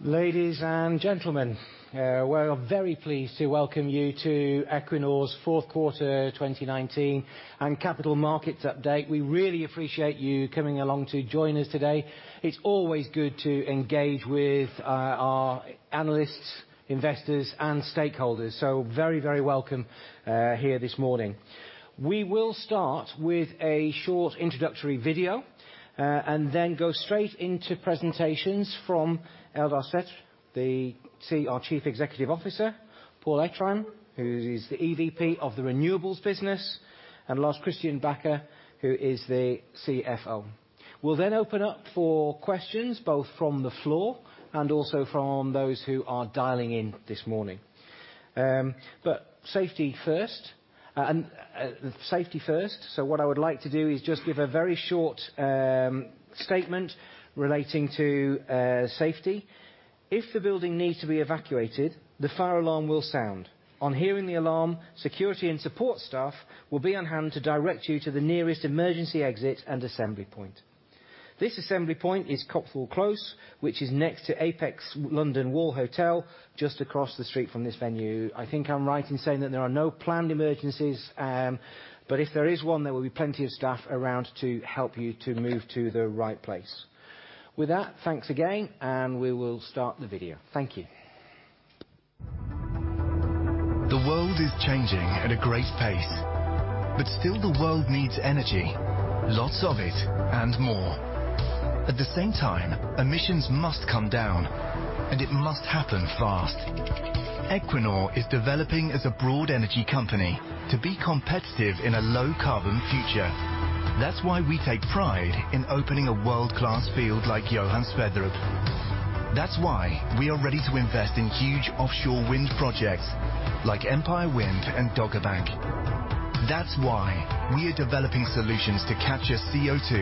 Ladies and gentlemen, we are very pleased to welcome you to Equinor's fourth quarter 2019 and Capital Markets Update. We really appreciate you coming along to join us today. It's always good to engage with our analysts, investors, and stakeholders. Very, very welcome here this morning. We will start with a short introductory video, and then go straight into presentations from Eldar Sætre, our Chief Executive Officer, Pål Eitrheim, who is the EVP of the renewables business, and last, Lars Christian Bacher, who is the CFO. We'll open up for questions both from the floor and also from those who are dialing in this morning. Safety first. What I would like to do is just give a very short statement relating to safety. If the building needs to be evacuated, the fire alarm will sound. On hearing the alarm, security and support staff will be on hand to direct you to the nearest emergency exit and assembly point. This assembly point is Copthall Close, which is next to Apex London Wall Hotel, just across the street from this venue. I think I'm right in saying that there are no planned emergencies, but if there is one, there will be plenty of staff around to help you to move to the right place. With that, thanks again, and we will start the video. Thank you. The world is changing at a great pace. Still the world needs energy, lots of it, and more. At the same time, emissions must come down and it must happen fast. Equinor is developing as a broad energy company to be competitive in a low carbon future. That's why we take pride in opening a world-class field like Johan Sverdrup. That's why we are ready to invest in huge offshore wind projects like Empire Wind and Dogger Bank. That's why we are developing solutions to capture CO2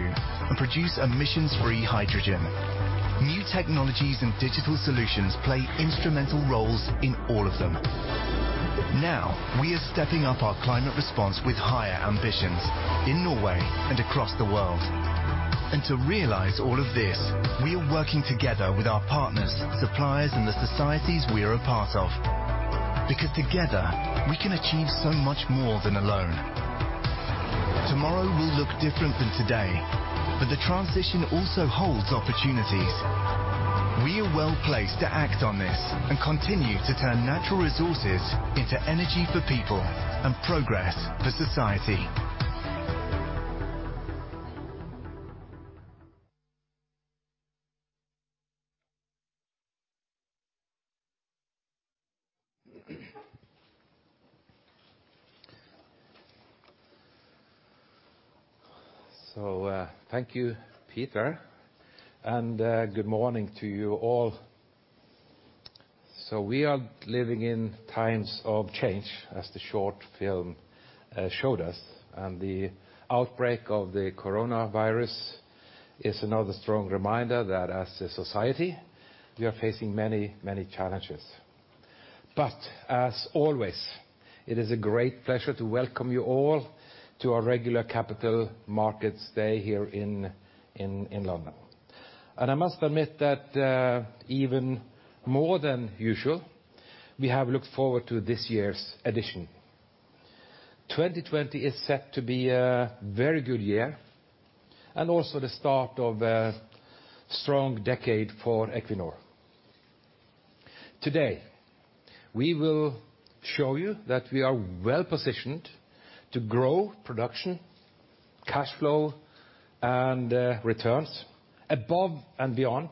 and produce emissions-free hydrogen. New technologies and digital solutions play instrumental roles in all of them. Now, we are stepping up our climate response with higher ambitions in Norway and across the world. To realize all of this, we are working together with our partners, suppliers, and the societies we are a part of. Together, we can achieve so much more than alone. Tomorrow will look different than today, the transition also holds opportunities. We are well-placed to act on this and continue to turn natural resources into energy for people and progress for society. Thank you, Peter, and good morning to you all. We are living in times of change, as the short film showed us, and the outbreak of the coronavirus is another strong reminder that as a society, we are facing many, many challenges. As always, it is a great pleasure to welcome you all to our regular capital markets day here in London. I must admit that even more than usual, we have looked forward to this year's edition. 2020 is set to be a very good year and also the start of a strong decade for Equinor. Today, we will show you that we are well-positioned to grow production, cash flow, and returns above and beyond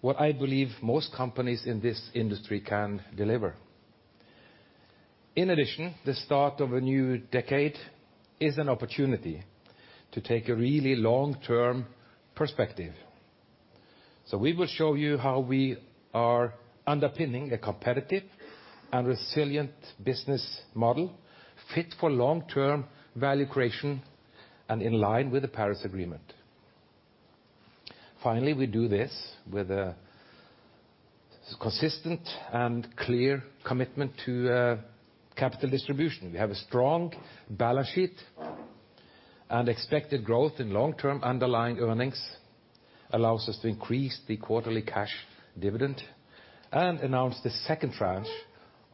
what I believe most companies in this industry can deliver. In addition, the start of a new decade is an opportunity to take a really long-term perspective. We will show you how we are underpinning a competitive and resilient business model fit for long-term value creation and in line with the Paris Agreement. Finally, we do this with a consistent and clear commitment to capital distribution. We have a strong balance sheet and expected growth in long-term underlying earnings allows us to increase the quarterly cash dividend and announce the second tranche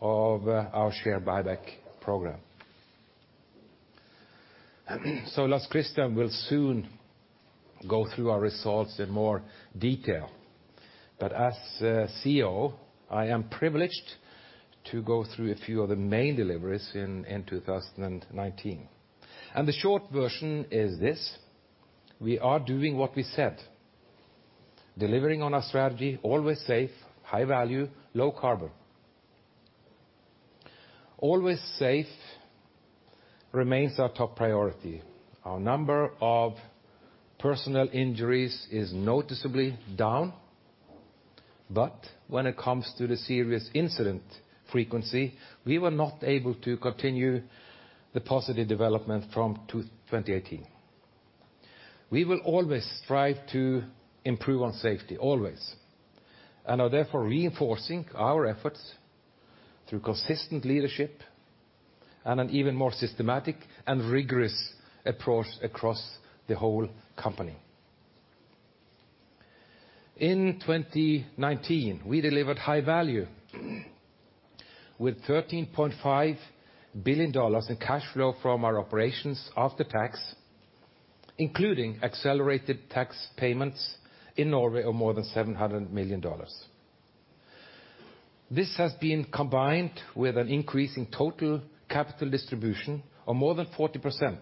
of our share buyback program. Lars Christian will soon go through our results in more detail. As CEO, I am privileged to go through a few of the main deliveries in 2019. The short version is this: we are doing what we said. Delivering on our strategy, always safe, high value, low carbon. Always safe remains our top priority. Our number of personal injuries is noticeably down. When it comes to the serious incident frequency, we were not able to continue the positive development from 2018. We will always strive to improve on safety, always, and are therefore reinforcing our efforts through consistent leadership. An even more systematic and rigorous approach across the whole company. In 2019, we delivered high value with $13.5 billion in cash flow from our operations after tax, including accelerated tax payments in Norway of more than $700 million. This has been combined with an increase in total capital distribution of more than 40%,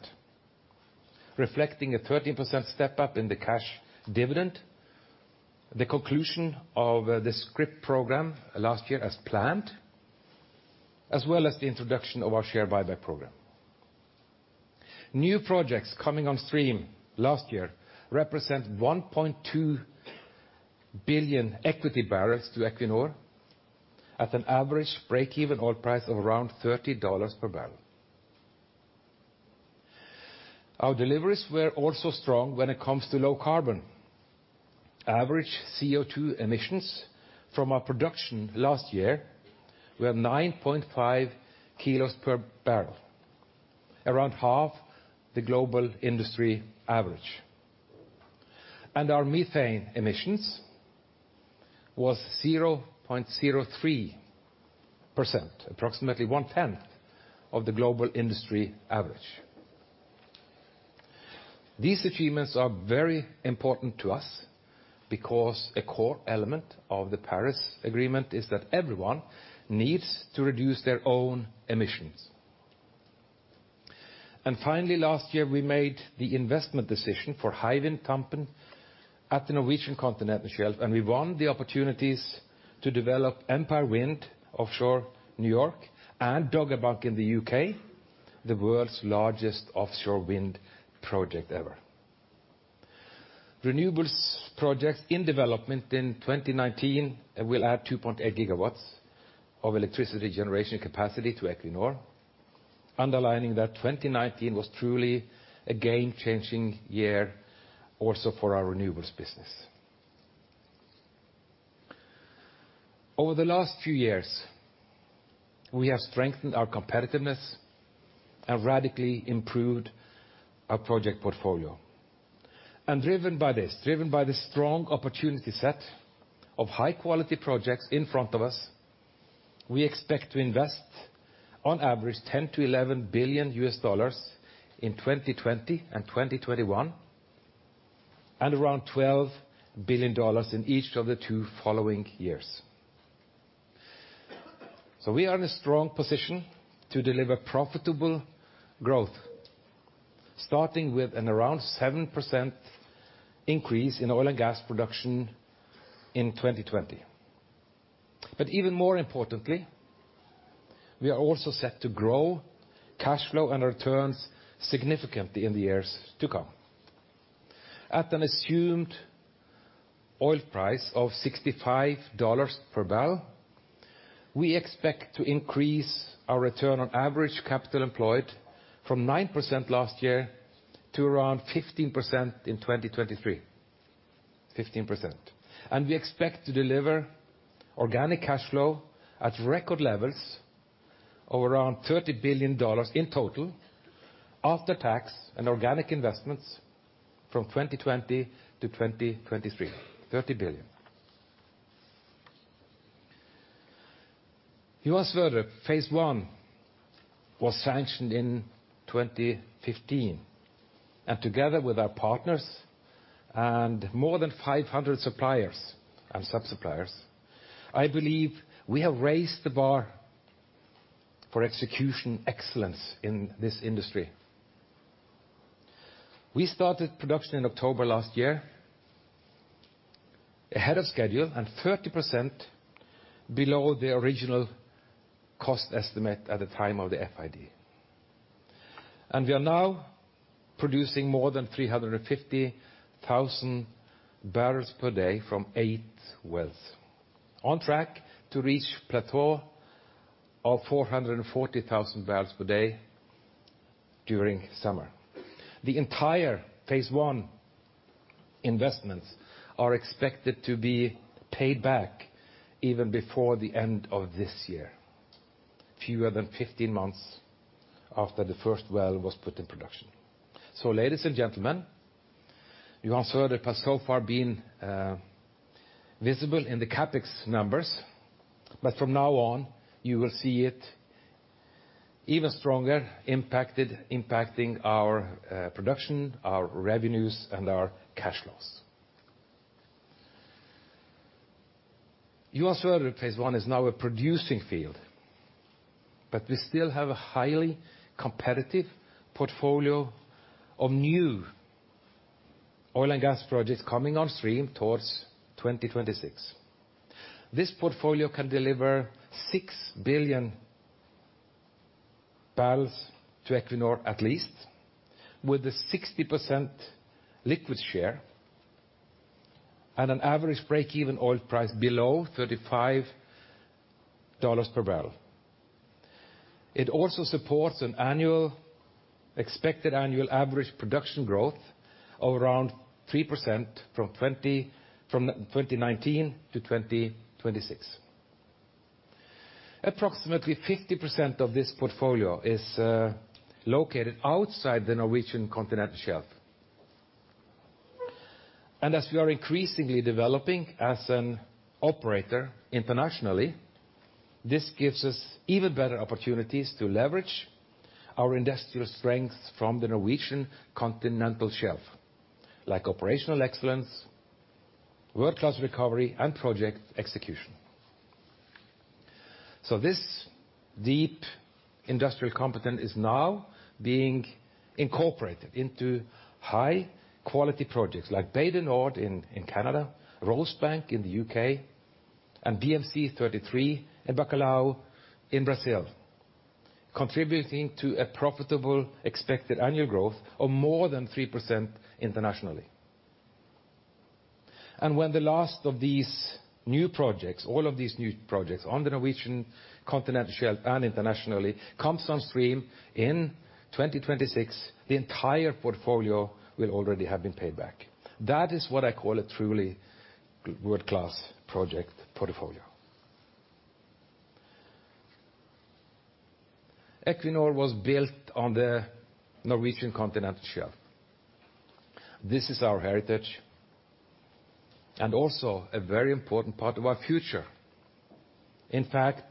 reflecting a 13% step up in the cash dividend, the conclusion of the scrip program last year as planned, as well as the introduction of our share buyback program. New projects coming on stream last year represent 1.2 billion equity barrels to Equinor at an average break-even oil price of around $30 per barrel. Our deliveries were also strong when it comes to low carbon. Average CO2 emissions from our production last year were 9.5 kilos per barrel, around half the global industry average. Our methane emissions was 0.03%, approximately 1/10 of the global industry average. These achievements are very important to us because a core element of the Paris Agreement is that everyone needs to reduce their own emissions. Finally, last year, we made the investment decision for Hywind Tampen at the Norwegian continental shelf, and we won the opportunities to develop Empire Wind offshore New York and Dogger Bank in the U.K., the world's largest offshore wind project ever. Renewables projects in development in 2019 will add 2.8 gigawatts of electricity generation capacity to Equinor, underlining that 2019 was truly a game-changing year also for our renewables business. Over the last few years, we have strengthened our competitiveness and radically improved our project portfolio. Driven by this, driven by the strong opportunity set of high-quality projects in front of us, we expect to invest on average $10 billion-$11 billion in 2020 and 2021, and around $12 billion in each of the two following years. We are in a strong position to deliver profitable growth, starting with an around 7% increase in oil and gas production in 2020. Even more importantly, we are also set to grow cash flow and returns significantly in the years to come. At an assumed oil price of $65 per barrel, we expect to increase our return on average capital employed from 9% last year to around 15% in 2023. 15%. We expect to deliver organic cash flow at record levels of around $30 billion in total after tax and organic investments from 2020-2023, $30 billion. Johan Sverdrup Phase 1 was sanctioned in 2015. Together with our partners and more than 500 suppliers and sub-suppliers, I believe we have raised the bar for execution excellence in this industry. We started production in October last year, ahead of schedule and 30% below the original cost estimate at the time of the FID. We are now producing more than 350,000 barrels per day from eight wells, on track to reach plateau of 440,000 barrels per day during summer. The entire Phase 1 investments are expected to be paid back even before the end of this year, fewer than 15 months after the first well was put in production. Ladies and gentlemen, Johan Sverdrup has so far been visible in the CapEx numbers, but from now on, you will see it even stronger, impacting our production, our revenues, and our cash flows. Johan Sverdrup Phase 1 is now a producing field, but we still have a highly competitive portfolio of new oil and gas projects coming on stream towards 2026. This portfolio can deliver 6 billion barrels to Equinor at least, with a 60% liquid share and an average break-even oil price below $35 per barrel. It also supports an annual average production growth of around 3% from 2019-2026. Approximately 50% of this portfolio is located outside the Norwegian Continental Shelf. As we are increasingly developing as an operator internationally, this gives us even better opportunities to leverage our industrial strengths from the Norwegian Continental Shelf, like operational excellence, world-class recovery, and project execution. This deep industrial competence is now being incorporated into high-quality projects like Bay du Nord in Canada, Rosebank in the U.K., and BM-C-33 and Bacalhau in Brazil, contributing to a profitable expected annual growth of more than 3% internationally. When the last of these new projects, all of these new projects on the Norwegian Continental Shelf and internationally, comes on stream in 2026, the entire portfolio will already have been paid back. That is what I call a truly world-class project portfolio. Equinor was built on the Norwegian Continental Shelf. This is our heritage and also a very important part of our future. In fact,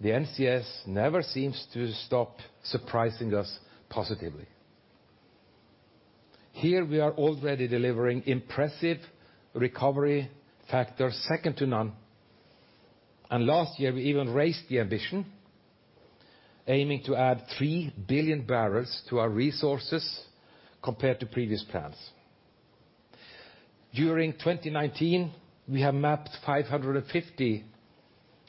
the NCS never seems to stop surprising us positively. Here we are already delivering impressive recovery factors second to none, and last year we even raised the ambition, aiming to add 3 billion barrels to our resources compared to previous plans. During 2019, we have mapped 550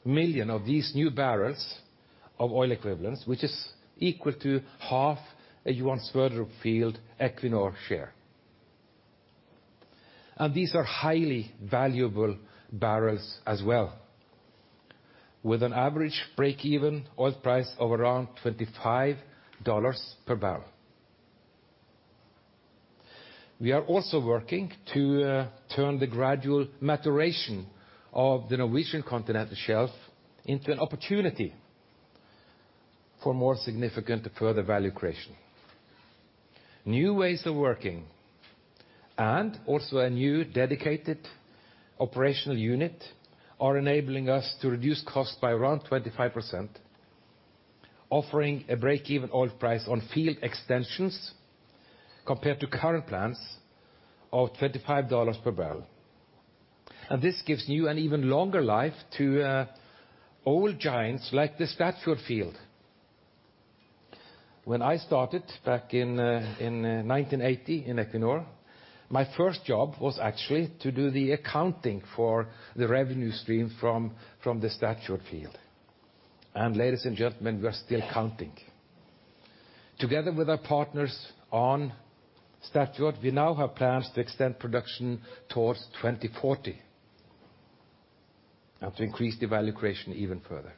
million of these new barrels of oil equivalents, which is equal to half a Johan Sverdrup Field Equinor share. These are highly valuable barrels as well, with an average break-even oil price of around $25 per barrel. We are also working to turn the gradual maturation of the Norwegian Continental Shelf into an opportunity for more significant further value creation. New ways of working and also a new dedicated operational unit are enabling us to reduce costs by around 25%, offering a break-even oil price on field extensions compared to current plans of $35 per barrel. This gives you an even longer life to old giants like the Statfjord field. When I started back in 1980 in Equinor, my first job was actually to do the accounting for the revenue stream from the Statfjord field. Ladies and gentlemen, we are still counting. Together with our partners on Statfjord, we now have plans to extend production towards 2040 and to increase the value creation even further.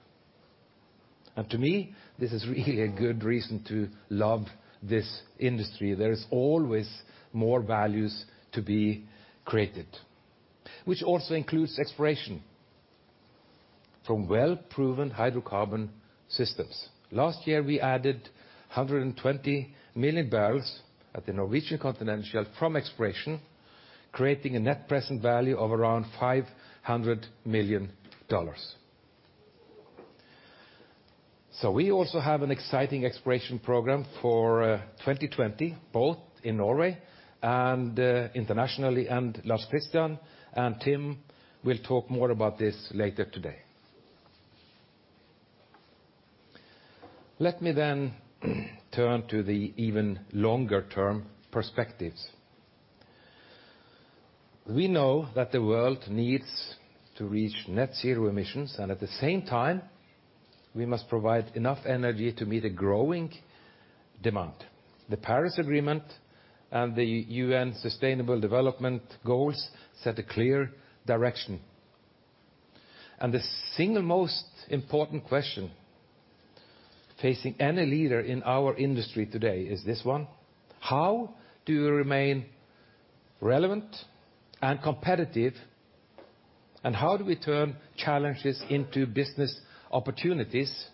To me, this is really a good reason to love this industry. There is always more values to be created, which also includes exploration from well-proven hydrocarbon systems. Last year, we added 120 million barrels at the Norwegian Continental Shelf from exploration, creating a net present value of around $500 million. We also have an exciting exploration program for 2020, both in Norway and internationally, and Lars Christian and Tim will talk more about this later today. Let me turn to the even longer-term perspectives. We know that the world needs to reach net-zero emissions, and at the same time, we must provide enough energy to meet the growing demand. The Paris Agreement and the UN Sustainable Development Goals set a clear direction. The single most important question facing any leader in our industry today is this one: How do you remain relevant and competitive, and how do we turn challenges into business opportunities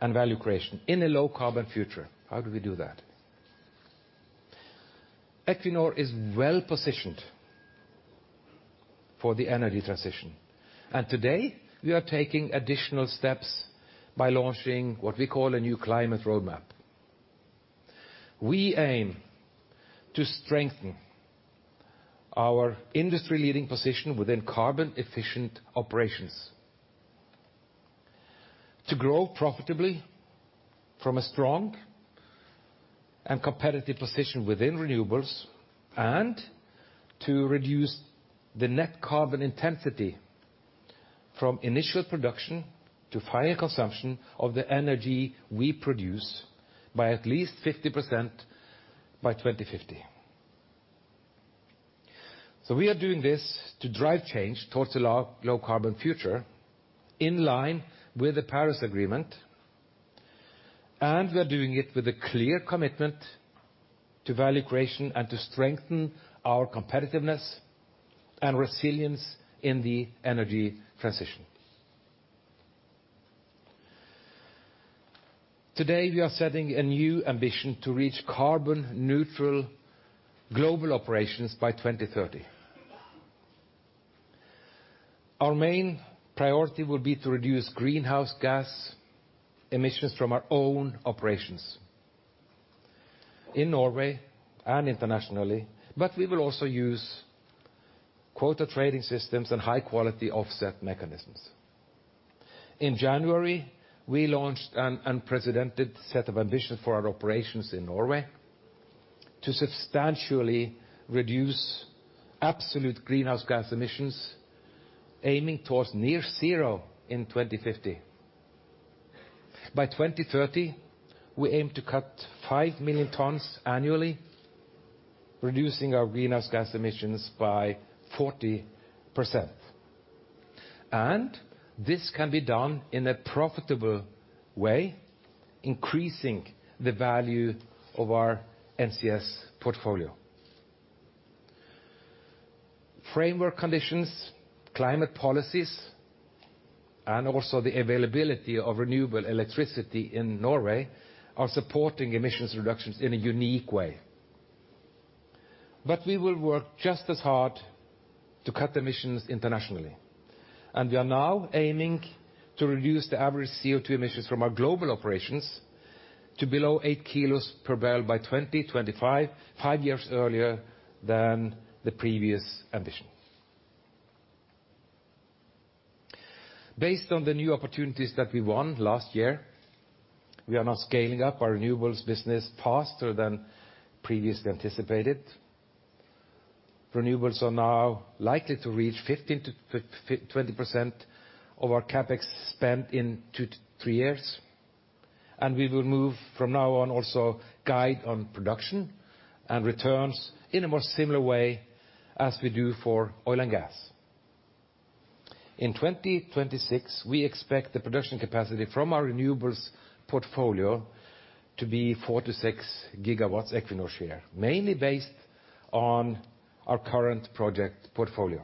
and value creation in a low-carbon future? How do we do that? Equinor is well-positioned for the energy transition, and today we are taking additional steps by launching what we call a new climate roadmap. We aim to strengthen our industry-leading position within carbon-efficient operations, to grow profitably from a strong and competitive position within renewables, and to reduce the net carbon intensity from initial production to final consumption of the energy we produce by at least 50% by 2050. We are doing this to drive change towards a low carbon future in line with the Paris Agreement, and we are doing it with a clear commitment to value creation and to strengthen our competitiveness and resilience in the energy transition. Today, we are setting a new ambition to reach carbon neutral global operations by 2030. Our main priority will be to reduce greenhouse gas emissions from our own operations in Norway and internationally, but we will also use quota trading systems and high-quality offset mechanisms. In January, we launched an unprecedented set of ambitions for our operations in Norway to substantially reduce absolute greenhouse gas emissions, aiming towards near zero in 2050. By 2030, we aim to cut 5 million tons annually, reducing our greenhouse gas emissions by 40%. This can be done in a profitable way, increasing the value of our NCS portfolio. Framework conditions, climate policies, and also the availability of renewable electricity in Norway are supporting emissions reductions in a unique way. We will work just as hard to cut emissions internationally, and we are now aiming to reduce the average CO2 emissions from our global operations to below 8 kilos per barrel by 2025, five years earlier than the previous ambition. Based on the new opportunities that we won last year, we are now scaling up our renewables business faster than previously anticipated. Renewables are now likely to reach 15%-20% of our CapEx spend in two to three years, and we will move from now on also guide on production and returns in a more similar way as we do for oil and gas. In 2026, we expect the production capacity from our renewables portfolio to be 4-6 GW Equinor share, mainly based on our current project portfolio.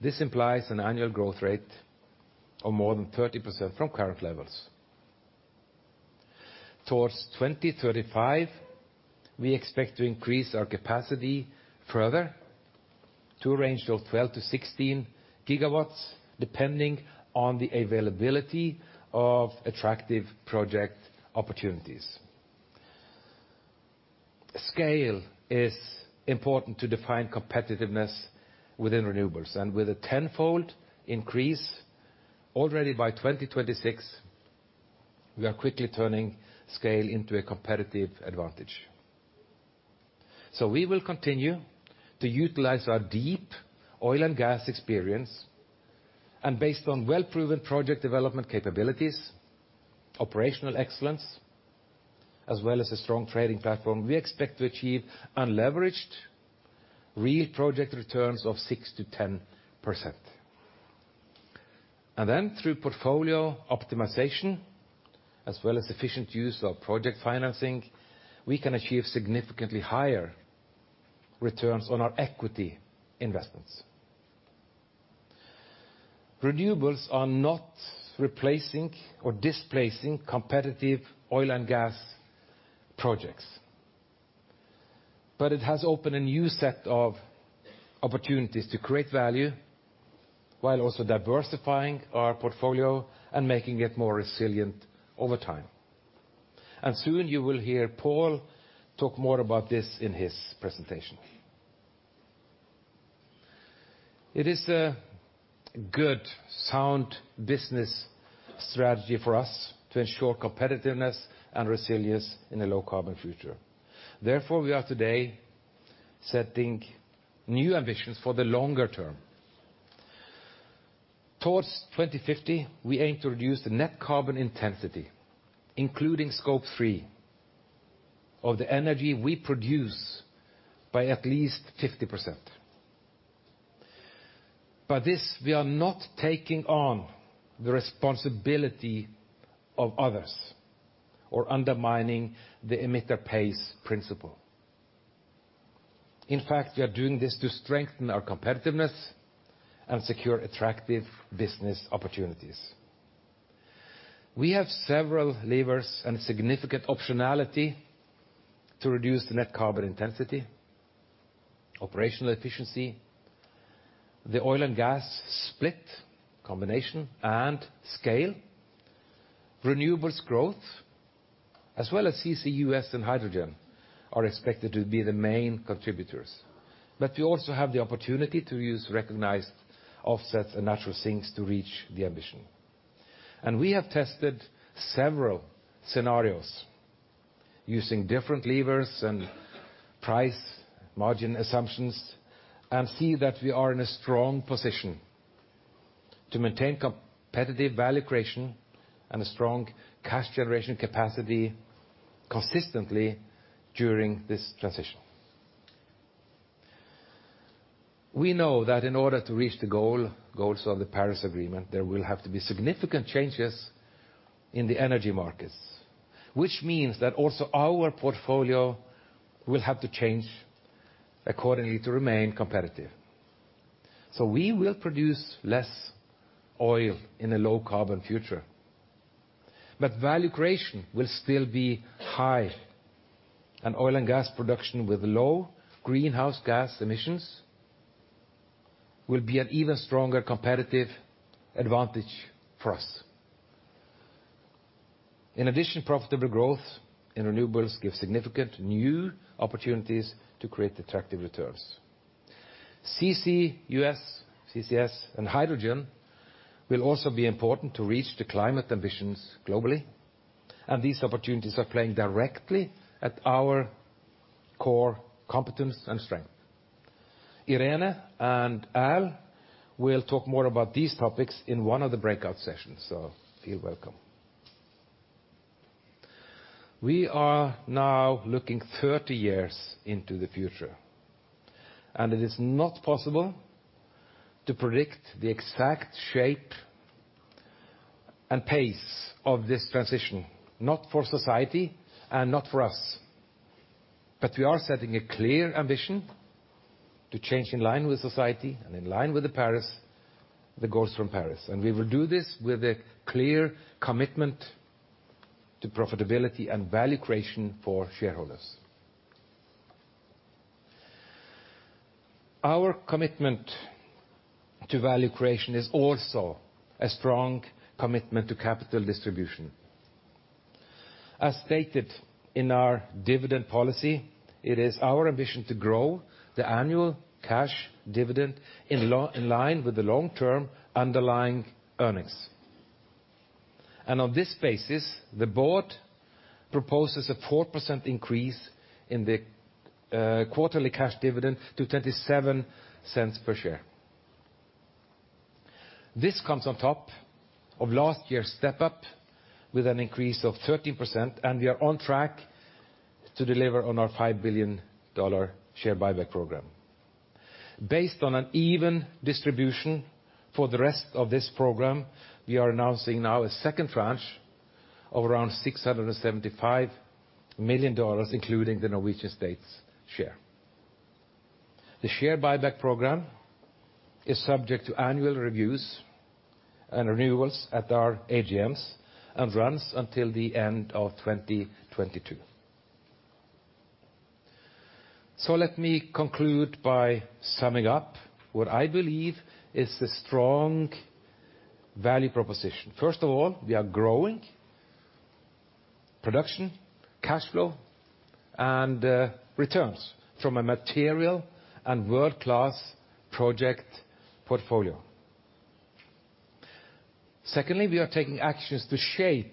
This implies an annual growth rate of more than 30% from current levels. Towards 2035, we expect to increase our capacity further to a range of 12-16 GW, depending on the availability of attractive project opportunities. Scale is important to define competitiveness within renewables, and with a tenfold increase already by 2026, we are quickly turning scale into a competitive advantage. We will continue to utilize our deep oil and gas experience and based on well-proven project development capabilities, operational excellence, as well as a strong trading platform, we expect to achieve unleveraged real project returns of 6%-10%. Through portfolio optimization as well as efficient use of project financing, we can achieve significantly higher returns on our equity investments. Renewables are not replacing or displacing competitive oil and gas projects. It has opened a new set of opportunities to create value while also diversifying our portfolio and making it more resilient over time. Soon you will hear Pål talk more about this in his presentation. It is a good, sound business strategy for us to ensure competitiveness and resilience in a low-carbon future. Therefore, we are today setting new ambitions for the longer term. Towards 2050, we aim to reduce the net carbon intensity, including Scope 3 of the energy we produce, by at least 50%. By this, we are not taking on the responsibility of others or undermining the emitter pays principle. In fact, we are doing this to strengthen our competitiveness and secure attractive business opportunities. We have several levers and significant optionality to reduce the net carbon intensity, operational efficiency, the oil and gas split combination and scale. Renewables growth, as well as CCUS and hydrogen, are expected to be the main contributors. We also have the opportunity to use recognized offsets and natural sinks to reach the ambition. We have tested several scenarios using different levers and price margin assumptions and see that we are in a strong position to maintain competitive value creation and a strong cash generation capacity consistently during this transition. We know that in order to reach the goals of the Paris Agreement, there will have to be significant changes in the energy markets, which means that also our portfolio will have to change accordingly to remain competitive. We will produce less oil in a low-carbon future, but value creation will still be high. Oil and gas production with low greenhouse gas emissions will be an even stronger competitive advantage for us. In addition, profitable growth in renewables gives significant new opportunities to create attractive returns. CCUS, CCS, and hydrogen will also be important to reach the climate ambitions globally, and these opportunities are playing directly at our core competence and strength. Irene and Al will talk more about these topics in one of the breakout sessions. Feel welcome. We are now looking 30 years into the future, It is not possible to predict the exact shape and pace of this transition, not for society and not for us. We are setting a clear ambition to change in line with society and in line with the goals from Paris. We will do this with a clear commitment to profitability and value creation for shareholders. Our commitment to value creation is also a strong commitment to capital distribution. As stated in our dividend policy, it is our ambition to grow the annual cash dividend in line with the long-term underlying earnings. On this basis, the board proposes a 4% increase in the quarterly cash dividend to $0.27 per share. This comes on top of last year's step-up with an increase of 13%, and we are on track to deliver on our $5 billion share buyback program. Based on an even distribution for the rest of this program, we are announcing now a second tranche of around $675 million, including the Norwegian state's share. The share buyback program is subject to annual reviews and renewals at our AGMs and runs until the end of 2022. Let me conclude by summing up what I believe is the strong value proposition. First of all, we are growing production, cash flow, and returns from a material and world-class project portfolio. Secondly, we are taking actions to shape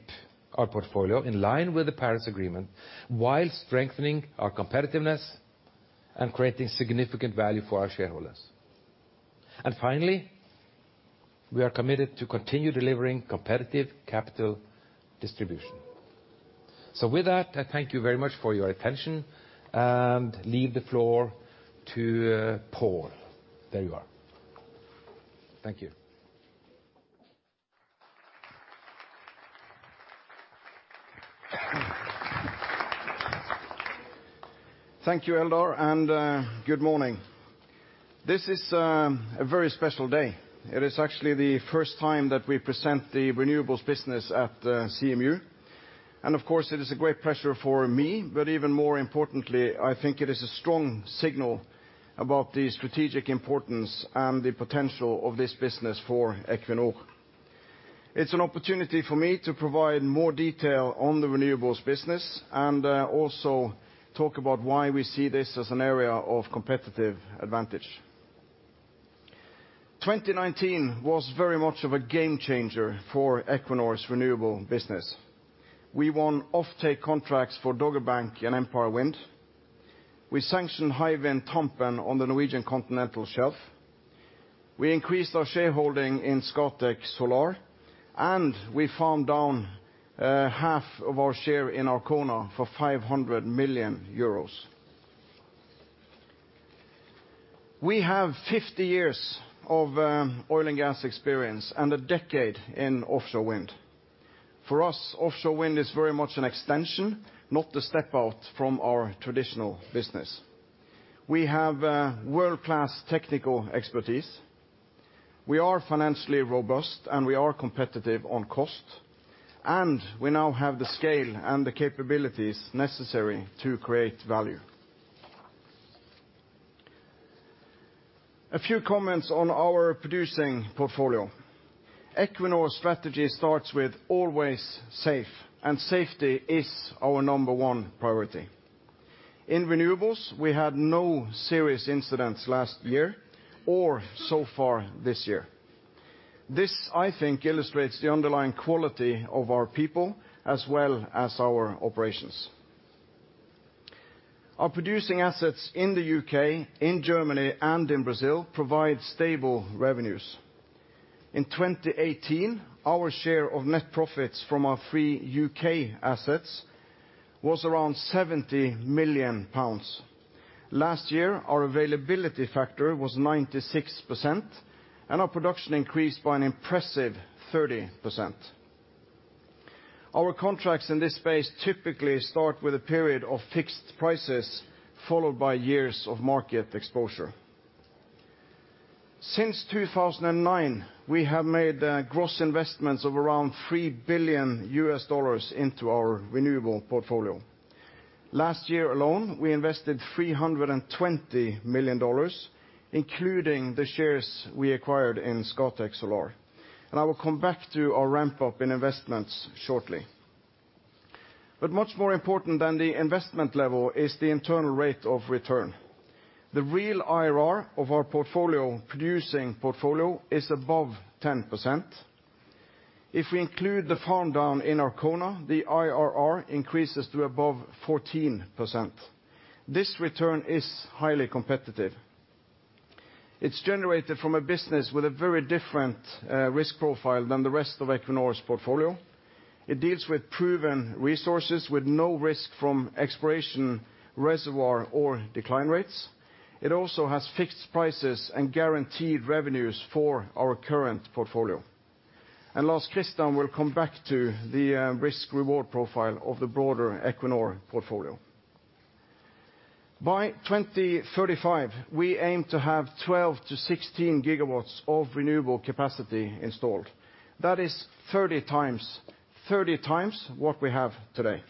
our portfolio in line with the Paris Agreement while strengthening our competitiveness and creating significant value for our shareholders. Finally, we are committed to continue delivering competitive capital distribution. With that, I thank you very much for your attention and leave the floor to Pål. There you are. Thank you. Thank you, Eldar. Good morning. This is a very special day. It is actually the first time that we present the renewables business at CMU. Of course, it is a great pleasure for me, but even more importantly, I think it is a strong signal about the strategic importance and the potential of this business for Equinor. It's an opportunity for me to provide more detail on the renewables business and also talk about why we see this as an area of competitive advantage. 2019 was very much of a game changer for Equinor's renewable business. We won offtake contracts for Dogger Bank and Empire Wind. We sanctioned Hywind Tampen on the Norwegian continental shelf. We increased our shareholding in Scatec Solar. We farmed down half of our share in Arkona for 500 million euros. We have 50 years of oil and gas experience and a decade in offshore wind. For us, offshore wind is very much an extension, not a step out from our traditional business. We have world-class technical expertise. We are financially robust, and we are competitive on cost, and we now have the scale and the capabilities necessary to create value. A few comments on our producing portfolio. Equinor's strategy starts with always safe, and safety is our number one priority. In renewables, we had no serious incidents last year or so far this year. This, I think, illustrates the underlying quality of our people as well as our operations. Our producing assets in the U.K., in Germany, and in Brazil provide stable revenues. In 2018, our share of net profits from our three U.K. assets was around 70 million pounds. Last year, our availability factor was 96%, and our production increased by an impressive 30%. Our contracts in this space typically start with a period of fixed prices, followed by years of market exposure. Since 2009, we have made gross investments of around $3 billion into our renewable portfolio. Last year alone, we invested $320 million, including the shares we acquired in Scatec Solar. I will come back to our ramp-up in investments shortly. But much more important than the investment level is the internal rate of return. The real IRR of our producing portfolio is above 10%. If we include the farm down in Arkona, the IRR increases to above 14%. This return is highly competitive. It's generated from a business with a very different risk profile than the rest of Equinor's portfolio. It deals with proven resources with no risk from exploration reservoir or decline rates. It also has fixed prices and guaranteed revenues for our current portfolio. Last, Christian will come back to the risk/reward profile of the broader Equinor portfolio. By 2035, we aim to have 12-16 gigawatts of renewable capacity installed. That is 30x what we have today.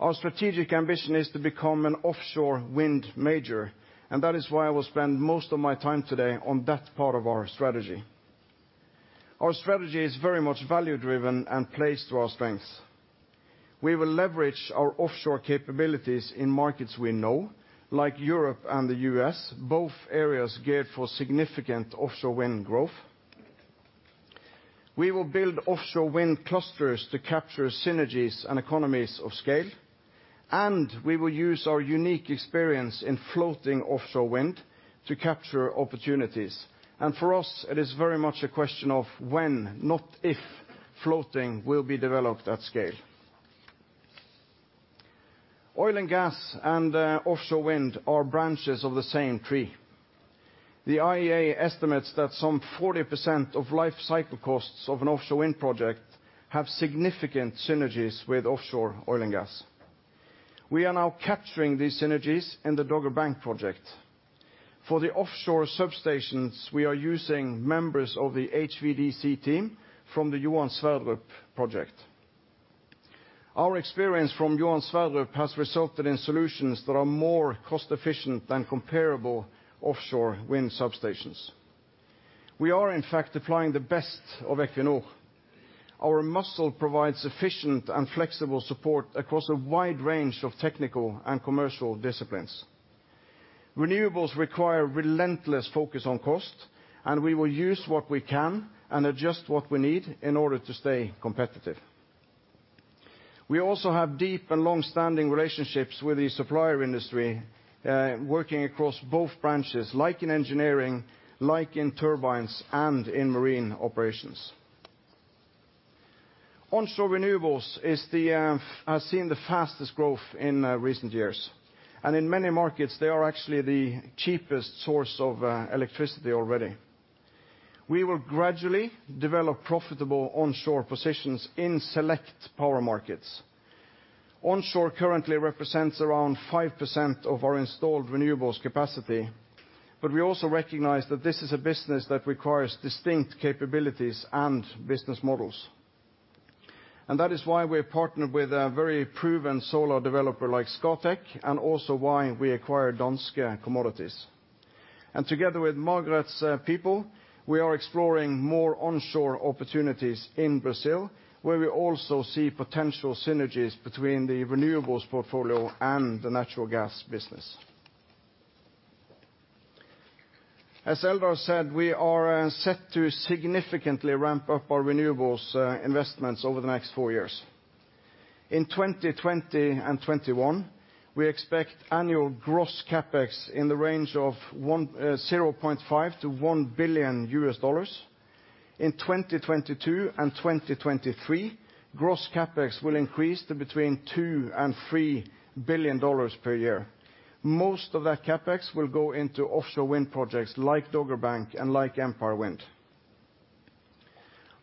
Our strategic ambition is to become an offshore wind major. That is why I will spend most of my time today on that part of our strategy. Our strategy is very much value driven and plays to our strengths. We will leverage our offshore capabilities in markets we know, like Europe and the U.S., both areas geared for significant offshore wind growth. We will build offshore wind clusters to capture synergies and economies of scale. We will use our unique experience in floating offshore wind to capture opportunities. For us, it is very much a question of when, not if, floating will be developed at scale. Oil and gas and offshore wind are branches of the same tree. The IEA estimates that some 40% of life cycle costs of an offshore wind project have significant synergies with offshore oil and gas. We are now capturing these synergies in the Dogger Bank project. For the offshore substations, we are using members of the HVDC team from the Johan Sverdrup project. Our experience from Johan Sverdrup has resulted in solutions that are more cost-efficient than comparable offshore wind substations. We are, in fact, applying the best of Equinor. Our muscle provides efficient and flexible support across a wide range of technical and commercial disciplines. Renewables require relentless focus on cost, and we will use what we can and adjust what we need in order to stay competitive. We also have deep and long-standing relationships with the supplier industry, working across both branches, like in engineering, like in turbines, and in marine operations. Onshore renewables has seen the fastest growth in recent years. And in many markets, they are actually the cheapest source of electricity already. We will gradually develop profitable onshore positions in select power markets. Onshore currently represents around 5% of our installed renewables capacity, but we also recognize that this is a business that requires distinct capabilities and business models. And that is why we have partnered with a very proven solar developer like Scatec, and also why we acquired Danske Commodities. And together with Margareth's people, we are exploring more onshore opportunities in Brazil, where we also see potential synergies between the renewables portfolio and the natural gas business. As Eldar said, we are set to significantly ramp up our renewables investments over the next four years. In 2020 and 2021, we expect annual gross CapEx in the range of $0.5 billion-$1 billion. In 2022 and 2023, gross CapEx will increase to between $2 billion and $3 billion per year. Most of that CapEx will go into offshore wind projects like Dogger Bank and like Empire Wind.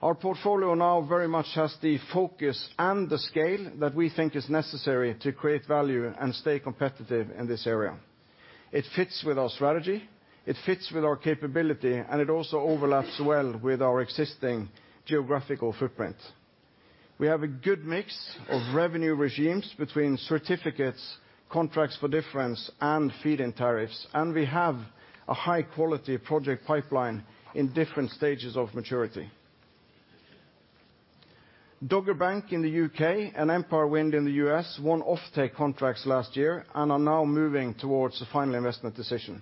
Our portfolio now very much has the focus and the scale that we think is necessary to create value and stay competitive in this area. It fits with our strategy, it fits with our capability, and it also overlaps well with our existing geographical footprint. We have a good mix of revenue regimes between certificates, contracts for difference, and feed-in tariffs, and we have a high-quality project pipeline in different stages of maturity. Dogger Bank in the U.K. and Empire Wind in the U.S. won offtake contracts last year and are now moving towards the final investment decision.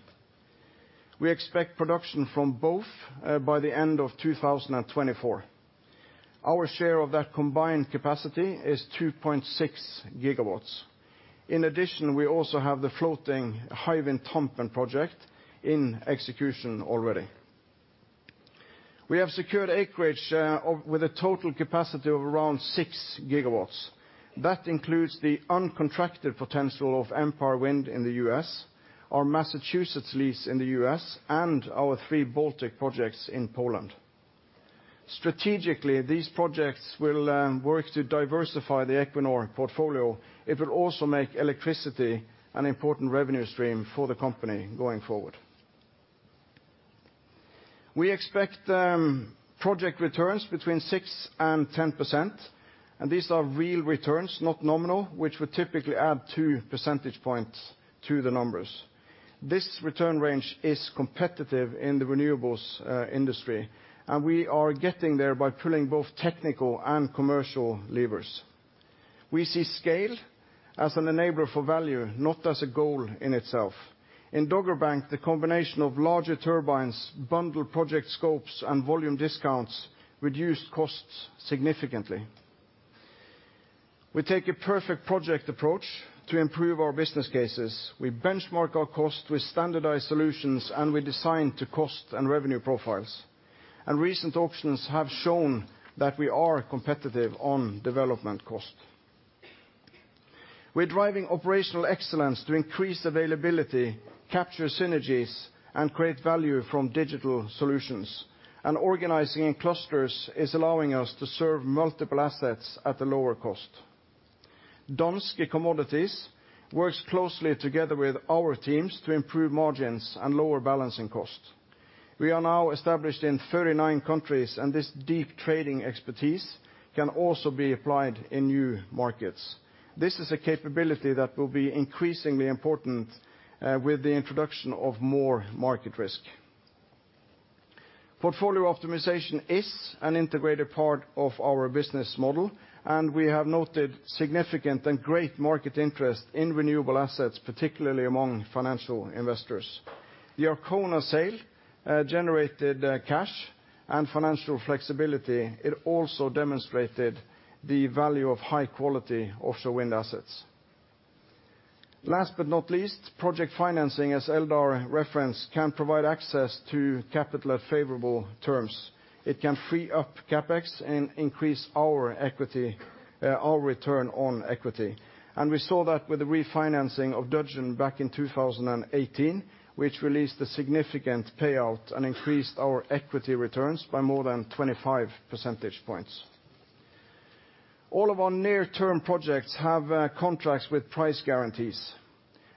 We expect production from both by the end of 2024. Our share of that combined capacity is 2.6 gigawatts. We also have the floating Hywind Tampen project in execution already. We have secured acreage with a total capacity of around 6 gigawatts. That includes the uncontracted potential of Empire Wind in the U.S., our Massachusetts lease in the U.S., and our three Baltic projects in Poland. Strategically, these projects will work to diversify the Equinor portfolio. It will also make electricity an important revenue stream for the company going forward. We expect project returns between 6% and 10%, and these are real returns, not nominal, which would typically add 2 percentage points to the numbers. This return range is competitive in the renewables industry, and we are getting there by pulling both technical and commercial levers. We see scale as an enabler for value, not as a goal in itself. In Dogger Bank, the combination of larger turbines, bundled project scopes, and volume discounts reduced costs significantly. We take a perfect project approach to improve our business cases. We benchmark our cost with standardized solutions, and we design to cost and revenue profiles. Recent auctions have shown that we are competitive on development cost. We're driving operational excellence to increase availability, capture synergies, and create value from digital solutions. Organizing in clusters is allowing us to serve multiple assets at a lower cost. Danske Commodities works closely together with our teams to improve margins and lower balancing cost. We are now established in 39 countries. This deep trading expertise can also be applied in new markets. This is a capability that will be increasingly important with the introduction of more market risk. Portfolio optimization is an integrated part of our business model. We have noted significant and great market interest in renewable assets, particularly among financial investors. The Arkona sale generated cash and financial flexibility. It also demonstrated the value of high-quality offshore wind assets. Last but not least, project financing, as Eldar referenced, can provide access to capital at favorable terms. It can free up CapEx and increase our return on equity. We saw that with the refinancing of Dudgeon back in 2018, which released a significant payout and increased our equity returns by more than 25 percentage points. All of our near-term projects have contracts with price guarantees.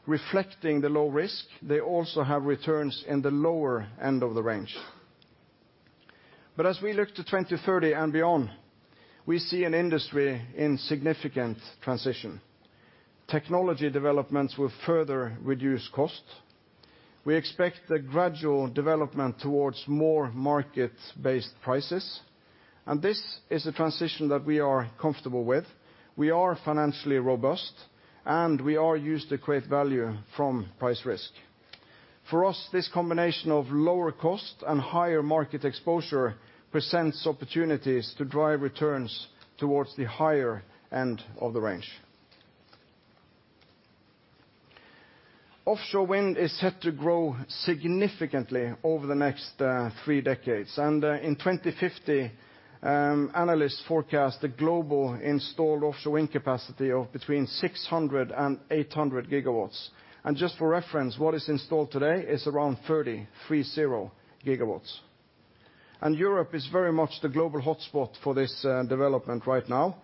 Reflecting the low risk, they also have returns in the lower end of the range. As we look to 2030 and beyond, we see an industry in significant transition. Technology developments will further reduce cost. We expect the gradual development towards more market-based prices. This is a transition that we are comfortable with, we are financially robust, and we are used to create value from price risk. For us, this combination of lower cost and higher market exposure presents opportunities to drive returns towards the higher end of the range. Offshore wind is set to grow significantly over the next three decades. In 2050, analysts forecast the global installed offshore wind capacity of between 600 and 800 gigawatts. Just for reference, what is installed today is around 30 gigawatts. Europe is very much the global hotspot for this development right now.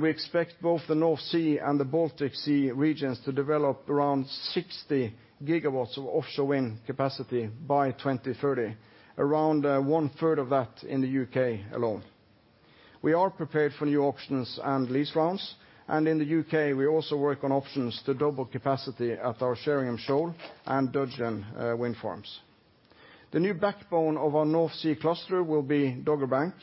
We expect both the North Sea and the Baltic Sea regions to develop around 60 gigawatts of offshore wind capacity by 2030, around 1/3 of that in the U.K. alone. We are prepared for new auctions and lease rounds. In the U.K., we also work on auctions to double capacity at our Sheringham Shoal and Dudgeon wind farms. The new backbone of our North Sea cluster will be Dogger Bank.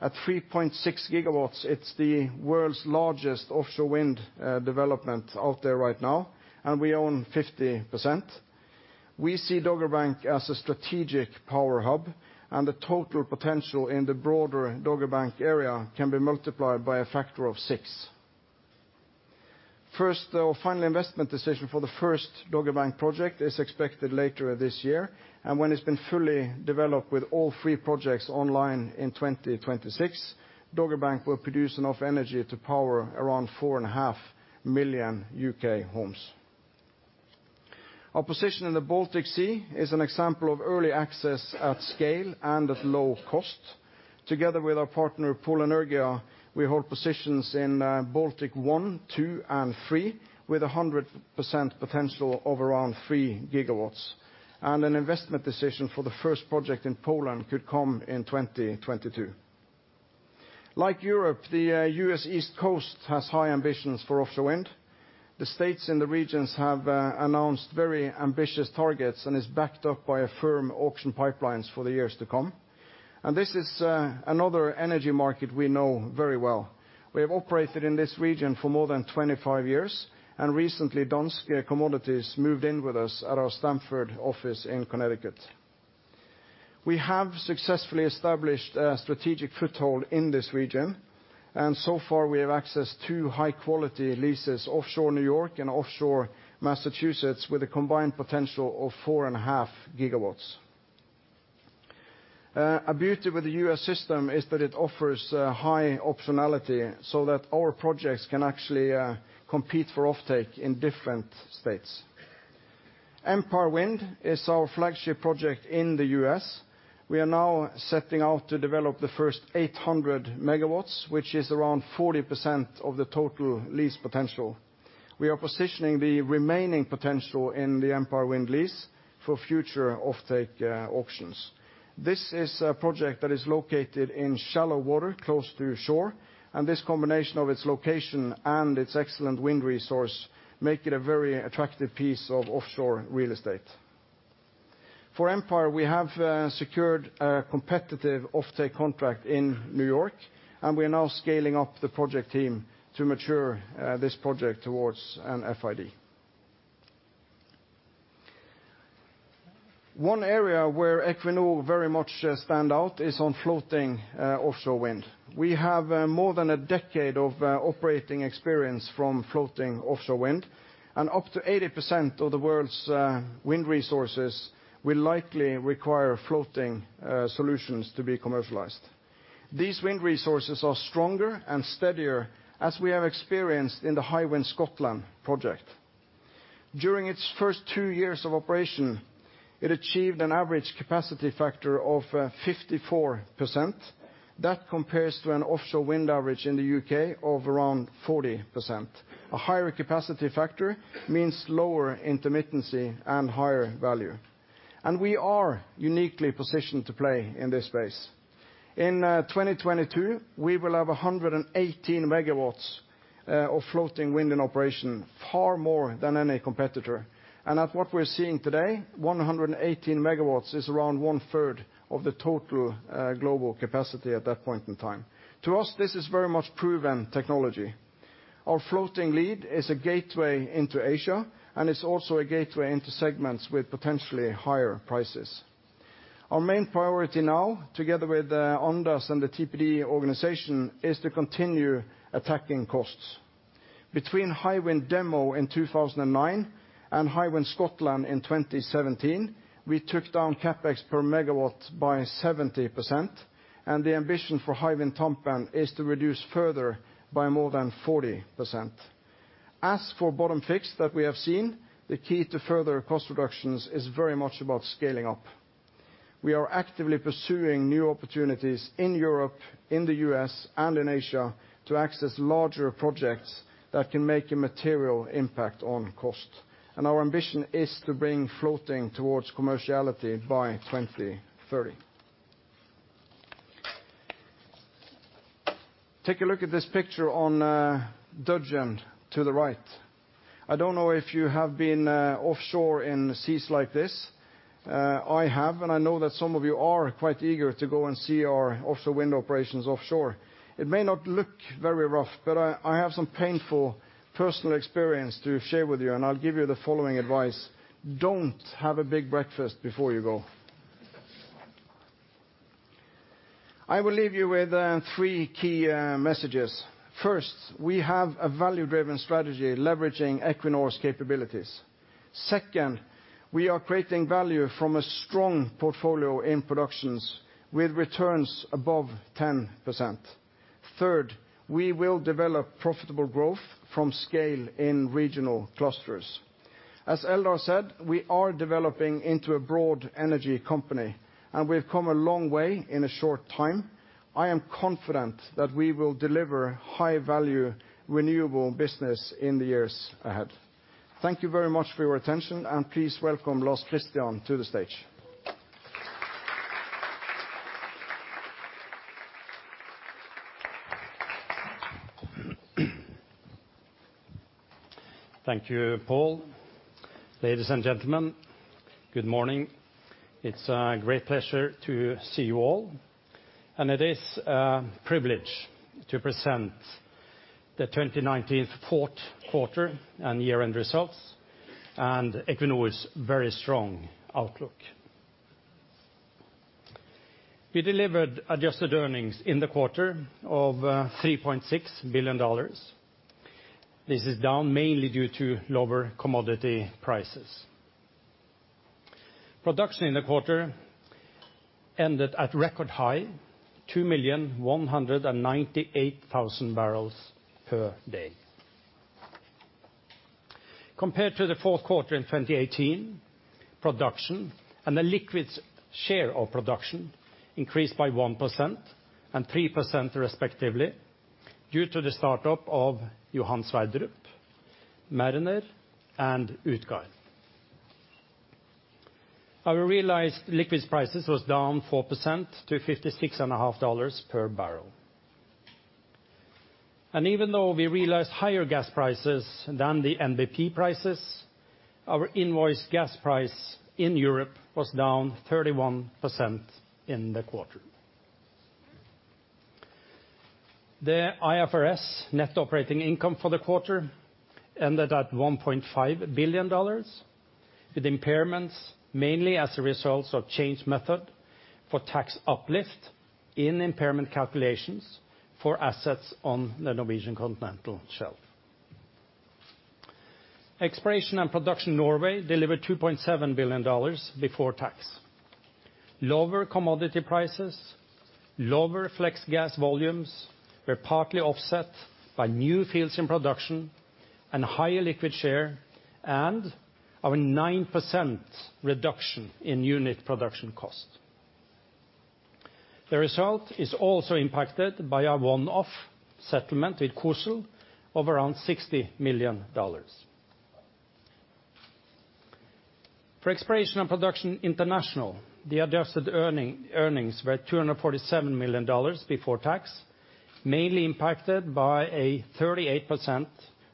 At 3.6 gigawatts, it's the world's largest offshore wind development out there right now, and we own 50%. We see Dogger Bank as a strategic power hub, and the total potential in the broader Dogger Bank area can be multiplied by a factor of six. First, our final investment decision for the first Dogger Bank project is expected later this year. When it's been fully developed with all three projects online in 2026, Dogger Bank will produce enough energy to power around 4.5 million U.K. homes. Our position in the Baltic Sea is an example of early access at scale and at low cost. Together with our partner, Polenergia, we hold positions in Bałtyk 1, 2, and 3, with 100% potential of around 3 gigawatts. An investment decision for the first project in Poland could come in 2022. Like Europe, the U.S. East Coast has high ambitions for offshore wind. The states in the regions have announced very ambitious targets and is backed up by firm auction pipelines for the years to come. This is another energy market we know very well. We have operated in this region for more than 25 years. Recently, Danske Commodities moved in with us at our Stamford office in Connecticut. We have successfully established a strategic foothold in this region. So far, we have access to high-quality leases offshore New York and offshore Massachusetts with a combined potential of 4.5 gigawatts. A beauty with the U.S. system is that it offers high optionality that our projects can actually compete for offtake in different states. Empire Wind is our flagship project in the U.S. We are now setting out to develop the first 800 megawatts, which is around 40% of the total lease potential. We are positioning the remaining potential in the Empire Wind lease for future offtake auctions. This is a project that is located in shallow water, close to shore, and this combination of its location and its excellent wind resource make it a very attractive piece of offshore real estate. For Empire, we have secured a competitive offtake contract in New York, and we are now scaling up the project team to mature this project towards an FID. One area where Equinor very much stand out is on floating offshore wind. We have more than a decade of operating experience from floating offshore wind, and up to 80% of the world's wind resources will likely require floating solutions to be commercialized. These wind resources are stronger and steadier, as we have experienced in the Hywind Scotland project. During its first two years of operation, it achieved an average capacity factor of 54%. That compares to an offshore wind average in the U.K. of around 40%. A higher capacity factor means lower intermittency and higher value. We are uniquely positioned to play in this space. In 2022, we will have 118 MW of floating wind in operation, far more than any competitor. At what we're seeing today, 118 MW is around one third of the total global capacity at that point in time. To us, this is very much proven technology. Our floating lead is a gateway into Asia, and it's also a gateway into segments with potentially higher prices. Our main priority now, together with Anders and the TPD organization, is to continue attacking costs. Between Hywind Demo in 2009 and Hywind Scotland in 2017, we took down CapEx per MW by 70%, and the ambition for Hywind Tampen is to reduce further by more than 40%. As for bottom fixed that we have seen, the key to further cost reductions is very much about scaling up. We are actively pursuing new opportunities in Europe, in the U.S., and in Asia to access larger projects that can make a material impact on cost. Our ambition is to bring floating towards commerciality by 2030. Take a look at this picture on Dogger Bank to the right. I don't know if you have been offshore in seas like this. I have, and I know that some of you are quite eager to go and see our offshore wind operations offshore. It may not look very rough, but I have some painful personal experience to share with you, and I'll give you the following advice. Don't have a big breakfast before you go. I will leave you with three key messages. First, we have a value-driven strategy leveraging Equinor's capabilities. Second, we are creating value from a strong portfolio in productions with returns above 10%. Third, we will develop profitable growth from scale in regional clusters. As Eldar said, we are developing into a broad energy company, and we've come a long way in a short time. I am confident that we will deliver high-value renewable business in the years ahead. Thank you very much for your attention, and please welcome Lars Christian to the stage. Thank you, Pål. Ladies and gentlemen, good morning. It is a great pleasure to see you all. It is a privilege to present the 2019 fourth quarter and year-end results and Equinor's very strong outlook. We delivered adjusted earnings in the quarter of $3.6 billion. This is down mainly due to lower commodity prices. Production in the quarter ended at record high, 2,198,000 barrels per day. Compared to the fourth quarter in 2018, production and the liquids share of production increased by 1% and 3% respectively due to the startup of Johan Sverdrup, Mariner, and Utgard. Our realized liquids prices was down 4% to $56.50 per barrel. Even though we realized higher gas prices than the NBP prices, our invoice gas price in Europe was down 31% in the quarter. The IFRS net operating income for the quarter ended at $1.5 billion, with impairments mainly as a result of change method for tax uplift in impairment calculations for assets on the Norwegian Continental Shelf. Exploration and Production Norway delivered $2.7 billion before tax. Lower commodity prices, lower flex gas volumes were partly offset by new fields in production and higher liquid share, and our 9% reduction in unit production cost. The result is also impacted by a one-off settlement with COSL of around $60 million. For Exploration and Production International, the adjusted earnings were at $247 million before tax, mainly impacted by a 38%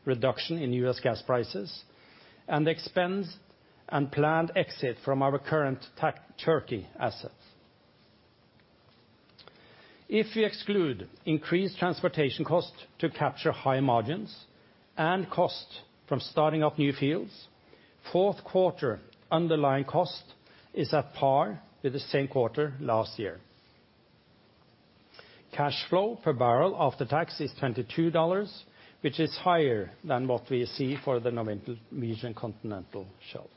reduction in U.S. gas prices and expense and planned exit from our current Turkey assets. If you exclude increased transportation cost to capture high margins and cost from starting up new fields, fourth quarter underlying cost is at par with the same quarter last year. Cash flow per barrel after tax is $22, which is higher than what we see for the Norwegian Continental Shelf.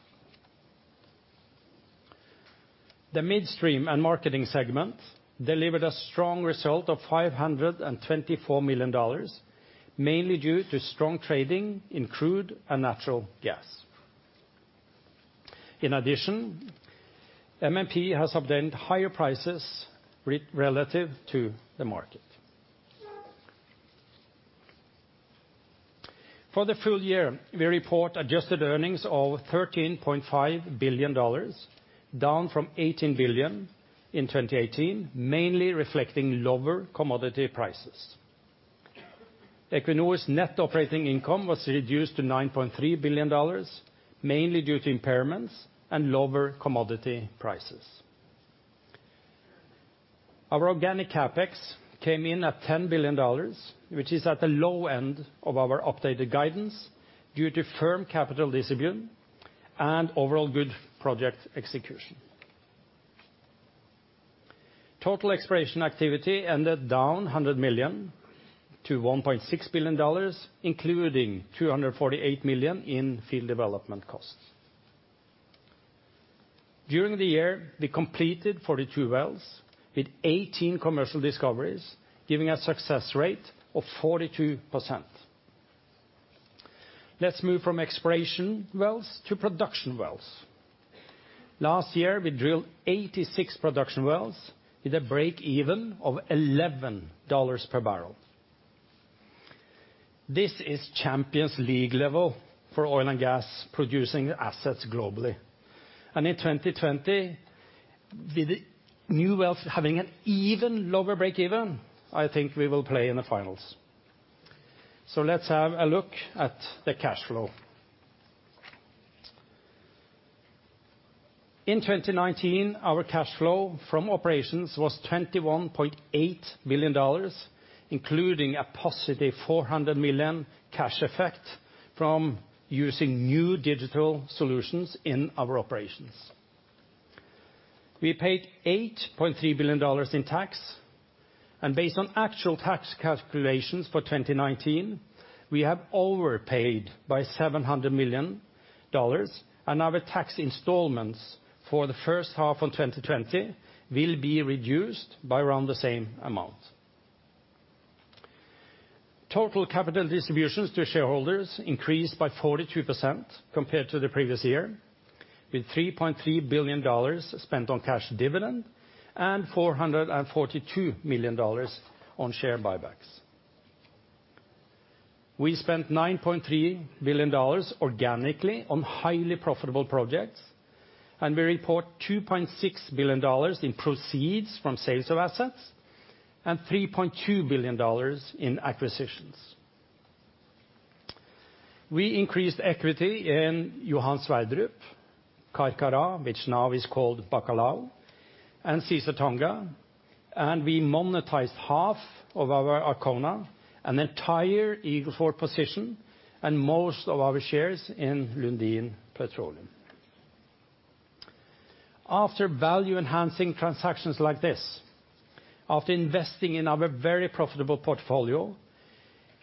The midstream and marketing segment delivered a strong result of $524 million, mainly due to strong trading in crude and natural gas. In addition, MMP has obtained higher prices relative to the market. For the full year, we report adjusted earnings of $13.5 billion, down from $18 billion in 2018, mainly reflecting lower commodity prices. Equinor's net operating income was reduced to $9.3 billion, mainly due to impairments and lower commodity prices. Our organic CapEx came in at $10 billion, which is at the low end of our updated guidance due to firm capital discipline and overall good project execution. Total exploration activity ended down $100 million to $1.6 billion, including $248 million in field development costs. During the year, we completed 42 wells with 18 commercial discoveries, giving a success rate of 42%. Let's move from exploration wells to production wells. Last year, we drilled 86 production wells with a breakeven of $11 per barrel. This is Champions League level for oil and gas-producing assets globally. In 2020, with new wells having an even lower breakeven, I think we will play in the finals. Let's have a look at the cash flow. In 2019, our cash flow from operations was $21.8 billion, including a positive $400 million cash effect from using new digital solutions in our operations. We paid $8.3 billion in tax. Based on actual tax calculations for 2019, we have overpaid by $700 million. Our tax installments for the first half of 2020 will be reduced by around the same amount. Total capital distributions to shareholders increased by 42% compared to the previous year, with $3.3 billion spent on cash dividend and $442 million on share buybacks. We spent $9.3 billion organically on highly profitable projects. We report $2.6 billion in proceeds from sales of assets and $3.2 billion in acquisitions. We increased equity in Johan Sverdrup, Carcará, which now is called Bacalhau, and Caesar Tonga. We monetized half of our Arkona and entire Eagle Ford position and most of our shares in Lundin Petroleum. After value-enhancing transactions like this, after investing in our very profitable portfolio,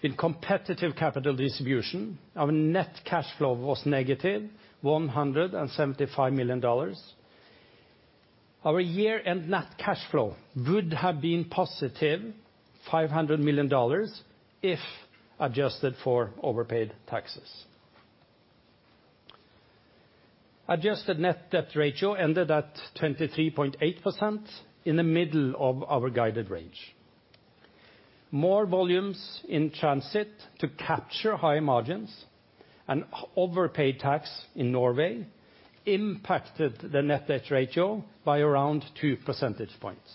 in competitive capital distribution, our net cash flow was negative $175 million. Our year-end net cash flow would have been positive $500 million if adjusted for overpaid taxes. Adjusted net debt ratio ended at 23.8% in the middle of our guided range. More volumes in transit to capture higher margins and overpaid tax in Norway impacted the net debt ratio by around 2 percentage points.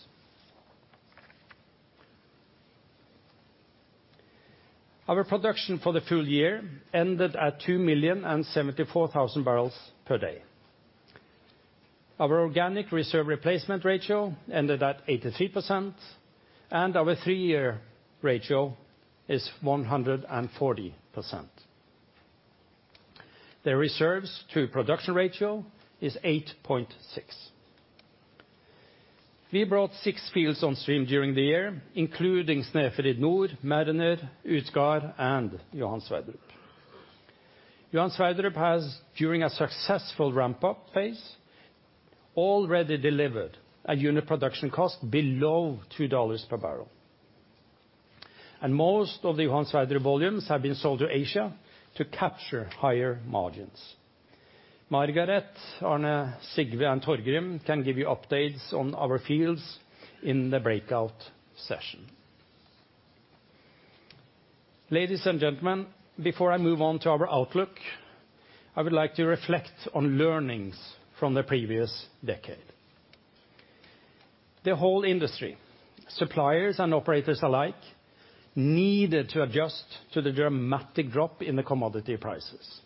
Our production for the full year ended at 2,074,000 barrels per day. Our organic reserve replacement ratio ended at 83%, and our three-year ratio is 140%. The reserves to production ratio is 8.6. We brought six fields on stream during the year, including Snefrid Nord, Mariner, Utgard, and Johan Sverdrup. Johan Sverdrup has, during a successful ramp-up phase, already delivered a unit production cost below $2 per barrel. Most of the Johan Sverdrup volumes have been sold to Asia to capture higher margins. Margareth, Arne Sigve, and Torgrim can give you updates on our fields in the breakout session. Ladies and gentlemen, before I move on to our outlook, I would like to reflect on learnings from the previous decade. The whole industry, suppliers and operators alike, needed to adjust to the dramatic drop in the commodity prices.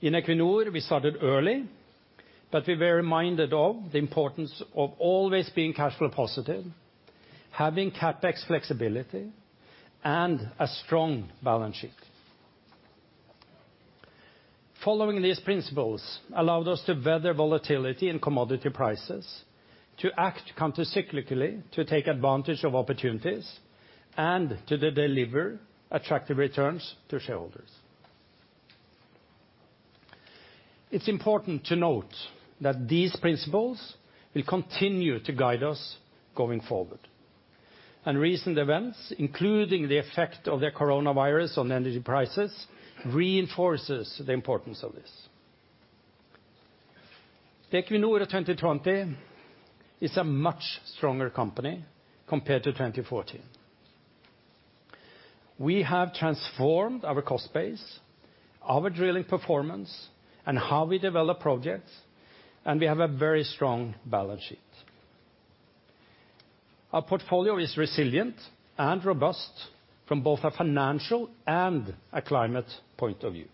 In Equinor, we started early, but we were reminded of the importance of always being cash flow positive, having CapEx flexibility, and a strong balance sheet. Following these principles allowed us to weather volatility in commodity prices, to act countercyclically to take advantage of opportunities, and to deliver attractive returns to shareholders. It's important to note that these principles will continue to guide us going forward. Recent events, including the effect of the coronavirus on energy prices, reinforces the importance of this. The Equinor of 2020 is a much stronger company compared to 2014. We have transformed our cost base, our drilling performance, and how we develop projects. We have a very strong balance sheet. Our portfolio is resilient and robust from both a financial and a climate point of view.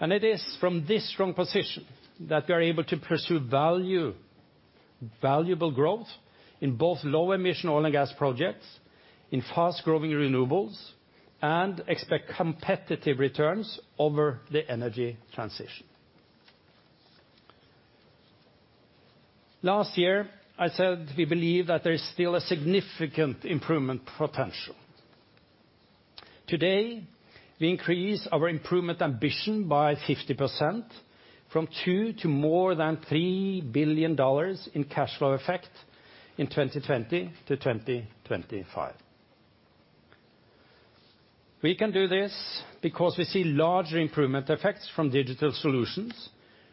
It is from this strong position that we are able to pursue valuable growth in both low-emission oil and gas projects, in fast-growing renewables, and expect competitive returns over the energy transition. Last year, I said we believe that there is still a significant improvement potential. Today, we increase our improvement ambition by 50%, from two to more than $3 billion in cash flow effect in 2020-2025. We can do this because we see larger improvement effects from digital solutions,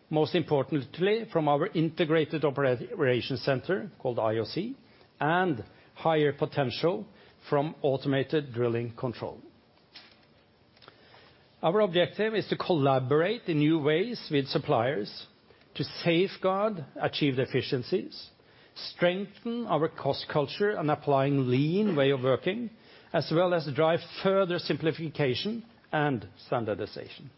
most importantly from our integrated operations center, called IOC, and higher potential from automated drilling control. Our objective is to collaborate in new ways with suppliers to safeguard achieved efficiencies, strengthen our cost culture, and applying lean way of working, as well as drive further simplification and standardization.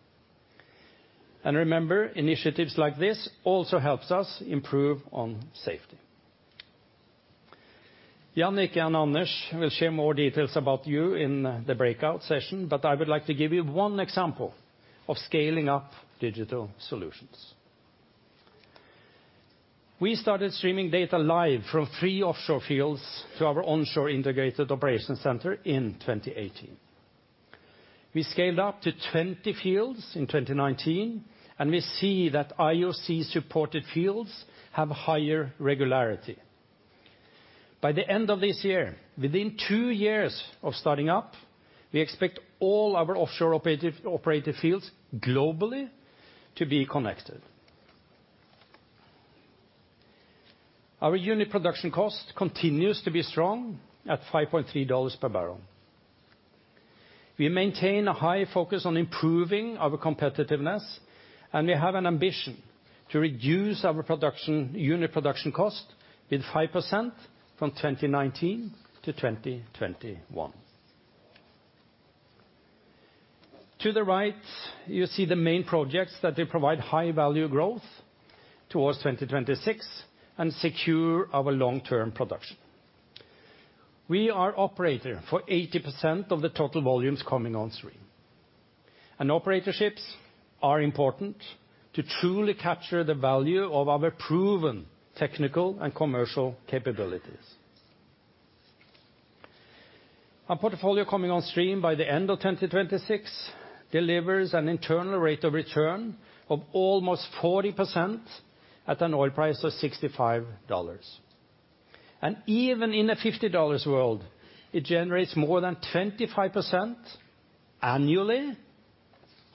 Remember, initiatives like this also helps us improve on safety. Jannicke and Anders will share more details about you in the breakout session, I would like to give you one example of scaling up digital solutions. We started streaming data live from three offshore fields to our onshore integrated operation center in 2018. We scaled up to 20 fields in 2019, we see that IOC-supported fields have higher regularity. By the end of this year, within two years of starting up, we expect all our offshore-operated fields globally to be connected. Our unit production cost continues to be strong at $5.30 per barrel. We maintain a high focus on improving our competitiveness. We have an ambition to reduce our unit production cost with 5% from 2019-2021. To the right, you see the main projects that they provide high-value growth towards 2026 and secure our long-term production. We are operator for 80% of the total volumes coming on stream. Operatorships are important to truly capture the value of our proven technical and commercial capabilities. Our portfolio coming on stream by the end of 2026 delivers an internal rate of return of almost 40% at an oil price of $65. Even in a $50 world, it generates more than 25% annually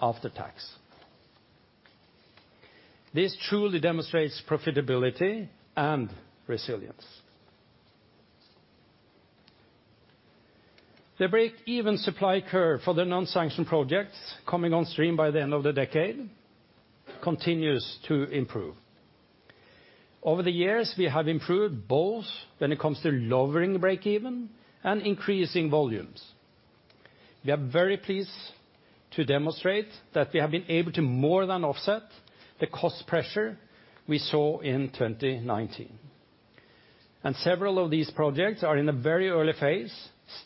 after tax. This truly demonstrates profitability and resilience. The break-even supply curve for the non-sanctioned projects coming on stream by the end of the decade continues to improve. Over the years, we have improved both when it comes to lowering breakeven and increasing volumes. We are very pleased to demonstrate that we have been able to more than offset the cost pressure we saw in 2019. Several of these projects are in a very early phase,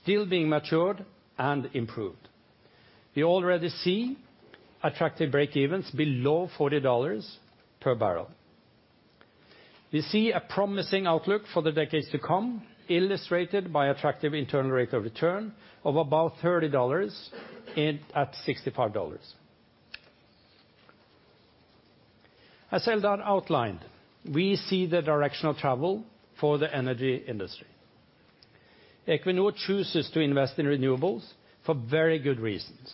still being matured and improved. We already see attractive breakevens below $40 per barrel. We see a promising outlook for the decades to come, illustrated by attractive internal rate of return of about $30 in at $65. As Eldar outlined, we see the directional travel for the energy industry. Equinor chooses to invest in renewables for very good reasons.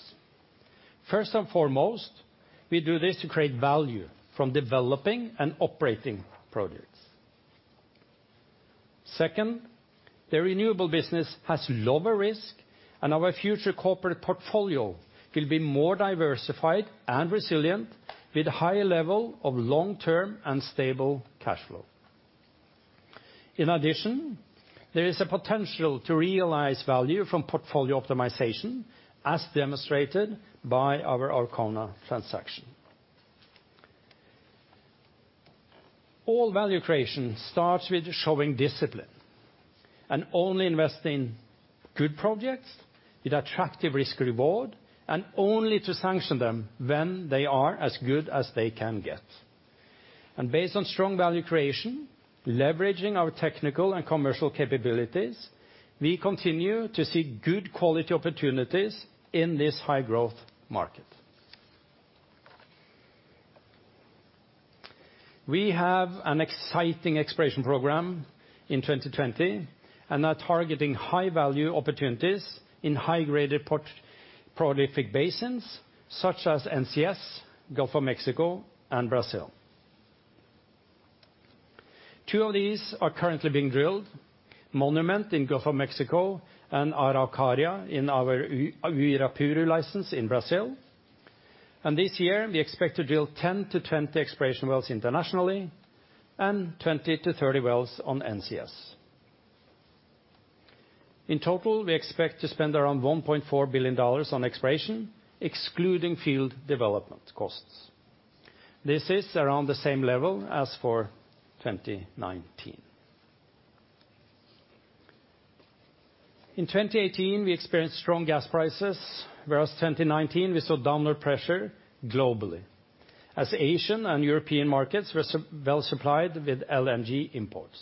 First and foremost, we do this to create value from developing and operating projects. Second, the renewable business has lower risk, and our future corporate portfolio will be more diversified and resilient with higher level of long-term and stable cash flow. In addition, there is a potential to realize value from portfolio optimization, as demonstrated by our Arkona transaction. All value creation starts with showing discipline and only investing good projects with attractive risk-reward, and only to sanction them when they are as good as they can get. Based on strong value creation, leveraging our technical and commercial capabilities, we continue to see good quality opportunities in this high-growth market. We have an exciting exploration program in 2020 and are targeting high-value opportunities in high-graded prolific basins such as NCS, Gulf of Mexico, and Brazil. Two of these are currently being drilled, Monument in Gulf of Mexico and Araucaria in our Uirapuru license in Brazil. This year we expect to drill 10-20 exploration wells internationally and 20-30 wells on NCS. In total, we expect to spend around $1.4 billion on exploration, excluding field development costs. This is around the same level as for 2019. In 2018, we experienced strong gas prices, whereas 2019 we saw downward pressure globally as Asian and European markets were well supplied with LNG imports.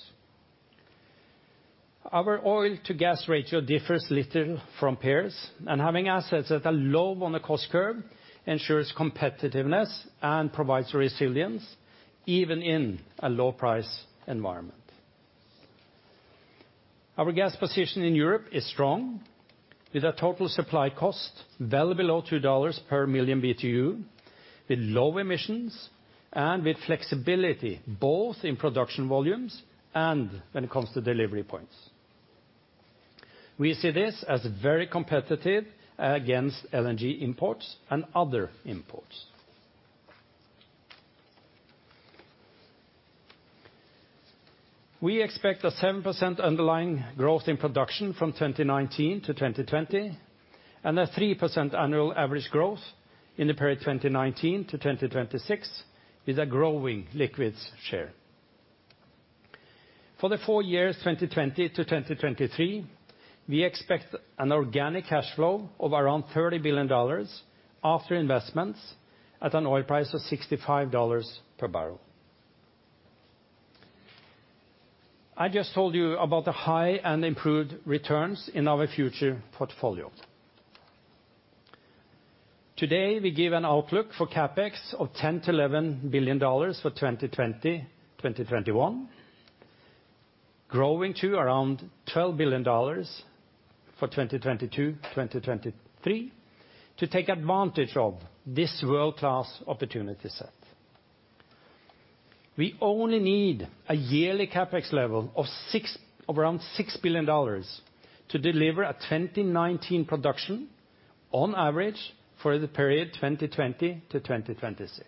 Our oil to gas ratio differs little from peers, and having assets that are low on the cost curve ensures competitiveness and provides resilience even in a low price environment. Our gas position in Europe is strong with a total supply cost well below $2 per million BTU, with low emissions and with flexibility both in production volumes and when it comes to delivery points. We see this as very competitive against LNG imports and other imports. We expect a 7% underlying growth in production from 2019-2020 and a 3% annual average growth in the period 2019-2026 with a growing liquids share. For the four years 2020-2023, we expect an organic cash flow of around $30 billion after investments at an oil price of $65 per barrel. I just told you about the high end improved returns in our future portfolio. Today, we give an outlook for CapEx of $10 billion-$11 billion for 2020, 2021, growing to around $12 billion for 2022, 2023 to take advantage of this world-class opportunity set. We only need a yearly CapEx level of around $6 billion to deliver a 2019 production on average for the period 2020-2026.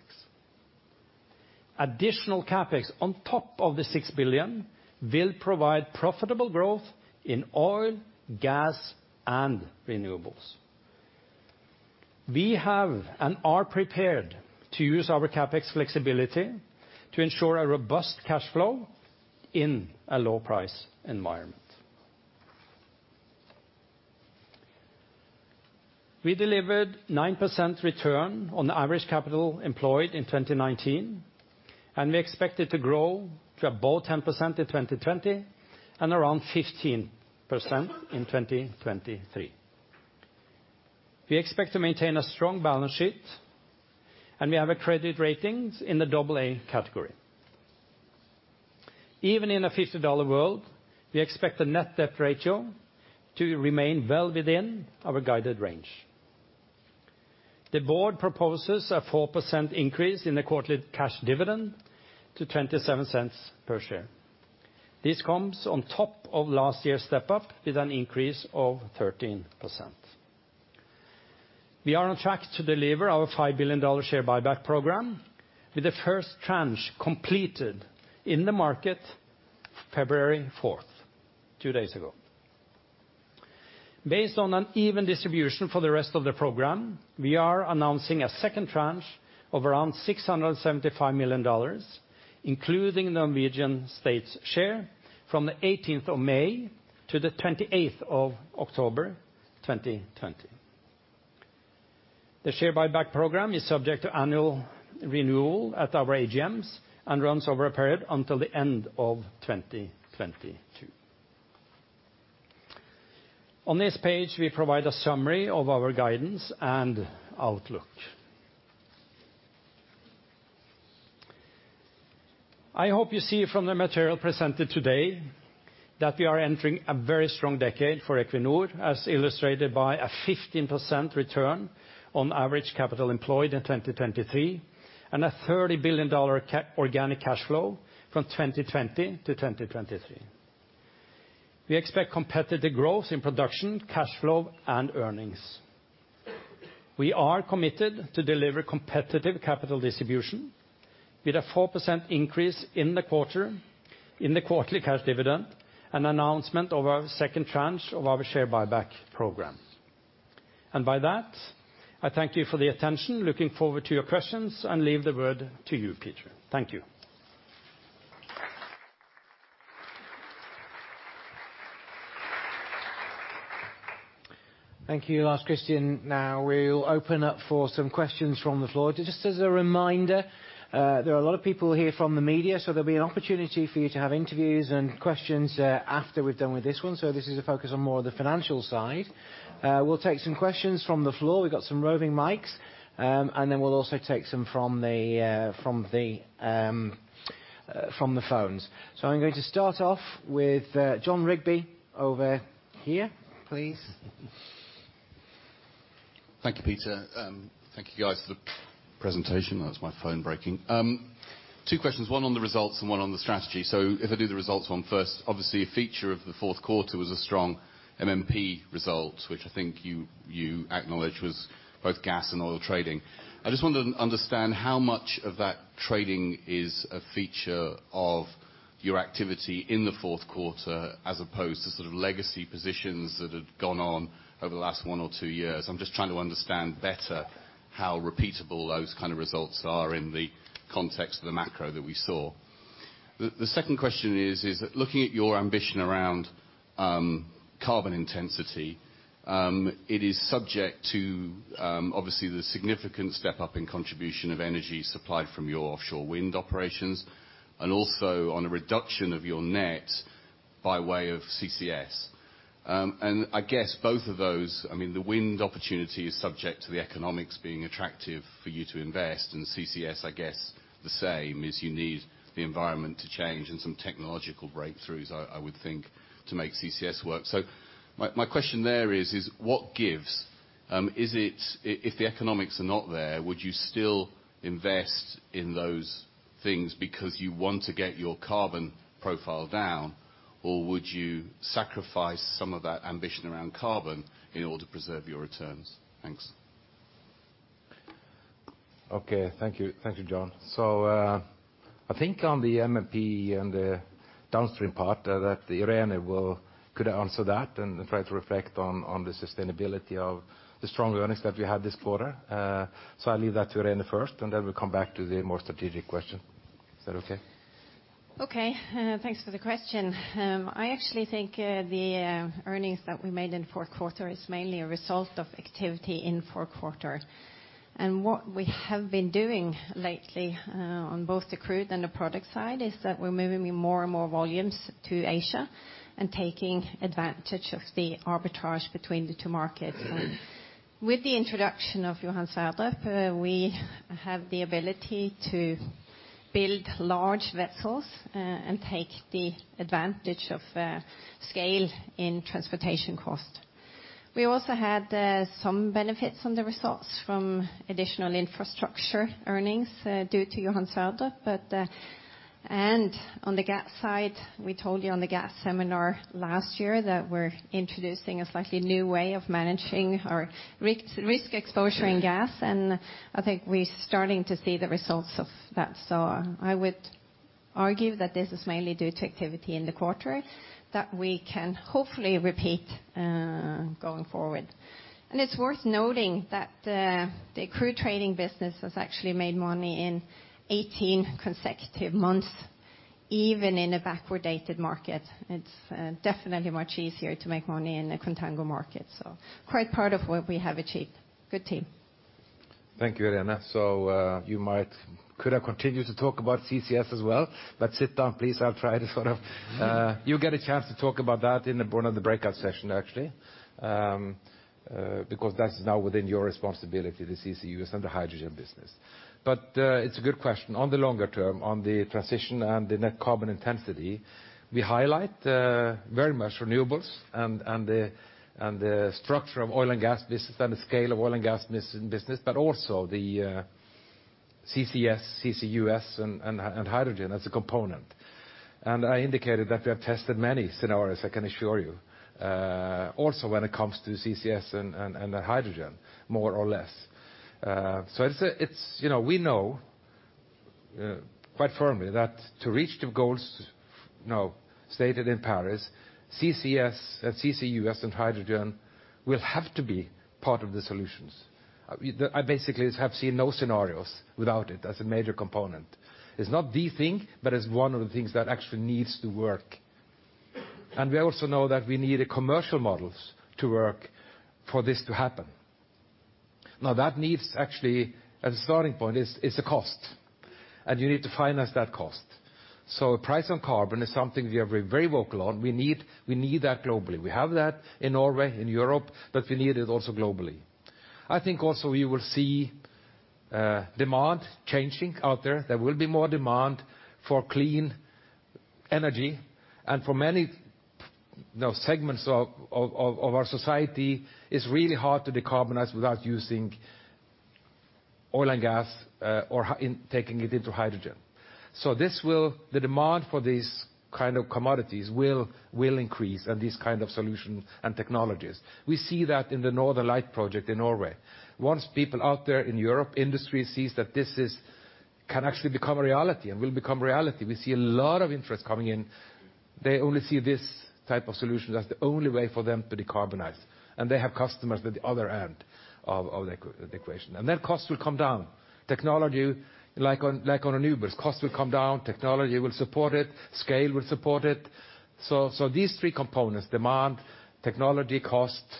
Additional CapEx on top of the $6 billion will provide profitable growth in oil, gas, and renewables. We have and are prepared to use our CapEx flexibility to ensure a robust cash flow in a low price environment. We delivered 9% return on average capital employed in 2019, and we expect it to grow to above 10% in 2020 and around 15% in 2023. We expect to maintain a strong balance sheet, and we have a credit ratings in the AA category. Even in a $50 world, we expect the net debt ratio to remain well within our guided range. The board proposes a 4% increase in the quarterly cash dividend to $0.27 per share. This comes on top of last year's step up with an increase of 13%. We are on track to deliver our $5 billion share buyback program, with the first tranche completed in the market February 4th, two days ago. Based on an even distribution for the rest of the program, we are announcing a second tranche of around $675 million, including the Norwegian state's share from the 18th of May to the 28th of October 2020. The share buyback program is subject to annual renewal at our AGMs and runs over a period until the end of 2022. On this page, we provide a summary of our guidance and outlook. I hope you see from the material presented today that we are entering a very strong decade for Equinor, as illustrated by a 15% return on average capital employed in 2023, and a $30 billion organic cash flow from 2020-2023. We expect competitive growth in production, cash flow, and earnings. We are committed to deliver competitive capital distribution with a 4% increase in the quarterly cash dividend, and announcement of our second tranche of our share buyback program. By that, I thank you for the attention, looking forward to your questions, and leave the word to you, Peter. Thank you. Thank you, Lars Christian. Now, we'll open up for some questions from the floor. Just as a reminder, there are a lot of people here from the media. There'll be an opportunity for you to have interviews and questions after we're done with this one. This is a focus on more of the financial side. We'll take some questions from the floor. We've got some roving mics. We'll also take some from the phones. I'm going to start off with Jon Rigby over here, please. Thank you, Peter. Thank you guys for the presentation. That was my phone breaking. Two questions, one on the results and one on the strategy. If I do the results one first, obviously a feature of the fourth quarter was a strong MMP result, which I think you acknowledged was both gas and oil trading. I just wanted to understand how much of that trading is a feature of your activity in the fourth quarter, as opposed to legacy positions that have gone on over the last one or two years. I'm just trying to understand better how repeatable those kind of results are in the context of the macro that we saw. The second question is looking at your ambition around carbon intensity. It is subject to obviously the significant step-up in contribution of energy supplied from your offshore wind operations, and also on a reduction of your net by way of CCS. I guess both of those, the wind opportunity is subject to the economics being attractive for you to invest, and CCS, I guess the same, is you need the environment to change and some technological breakthroughs, I would think, to make CCS work. My question there is what gives? If the economics are not there, would you still invest in those things because you want to get your carbon profile down, or would you sacrifice some of that ambition around carbon in order to preserve your returns? Thanks. Okay. Thank you. Thank you, Jon. I think on the MMP and the downstream part that Irene could answer that and try to reflect on the sustainability of the strong earnings that we had this quarter. I leave that to Irene first, and then we'll come back to the more strategic question. Is that okay? Okay. Thanks for the question. I actually think the earnings that we made in the fourth quarter is mainly a result of activity in the fourth quarter. What we have been doing lately, on both the crude and the product side, is that we're moving more and more volumes to Asia and taking advantage of the arbitrage between the two markets. With the introduction of Johan Sverdrup, we have the ability to build large vessels and take the advantage of scale in transportation cost. We also had some benefits on the results from additional infrastructure earnings due to Johan Sverdrup. On the gas side, we told you on the gas seminar last year that we're introducing a slightly new way of managing our risk exposure in gas, and I think we're starting to see the results of that. I would argue that this is mainly due to activity in the quarter that we can hopefully repeat going forward. It's worth noting that the crude trading business has actually made money in 18 consecutive months, even in a backwardated market. It's definitely much easier to make money in a contango market. Quite part of what we have achieved. Good team. Thank you, Irene. You could have continued to talk about CCS as well. Sit down, please. You'll get a chance to talk about that in one of the breakout sessions, actually. That's now within your responsibility, the CCUS and the hydrogen business. It's a good question. On the longer term, on the transition and the net carbon intensity, we highlight very much renewables and the structure of oil and gas business and the scale of oil and gas business. CCS, CCUS, and hydrogen as a component. I indicated that we have tested many scenarios, I can assure you, also when it comes to CCS and the hydrogen, more or less. We know quite firmly that to reach the goals now stated in Paris, CCS, CCUS, and hydrogen will have to be part of the solutions. I basically have seen no scenarios without it as a major component. It's not the thing, but it's one of the things that actually needs to work. We also know that we need commercial models to work for this to happen. That needs actually, as a starting point, it's a cost, and you need to finance that cost. A price on carbon is something we are very vocal on. We need that globally. We have that in Norway, in Europe, we need it also globally. I think also we will see demand changing out there. There will be more demand for clean energy, and for many segments of our society, it's really hard to decarbonize without using oil and gas or taking it into hydrogen. The demand for these kind of commodities will increase and these kind of solution and technologies. We see that in the Northern Lights Project in Norway. Once people out there in Europe industry sees that this can actually become a reality and will become reality, we see a lot of interest coming in. They only see this type of solution as the only way for them to decarbonize, and they have customers at the other end of the equation. Then costs will come down. Technology like on renewables, costs will come down, technology will support it, scale will support it. These three components, demand, technology costs,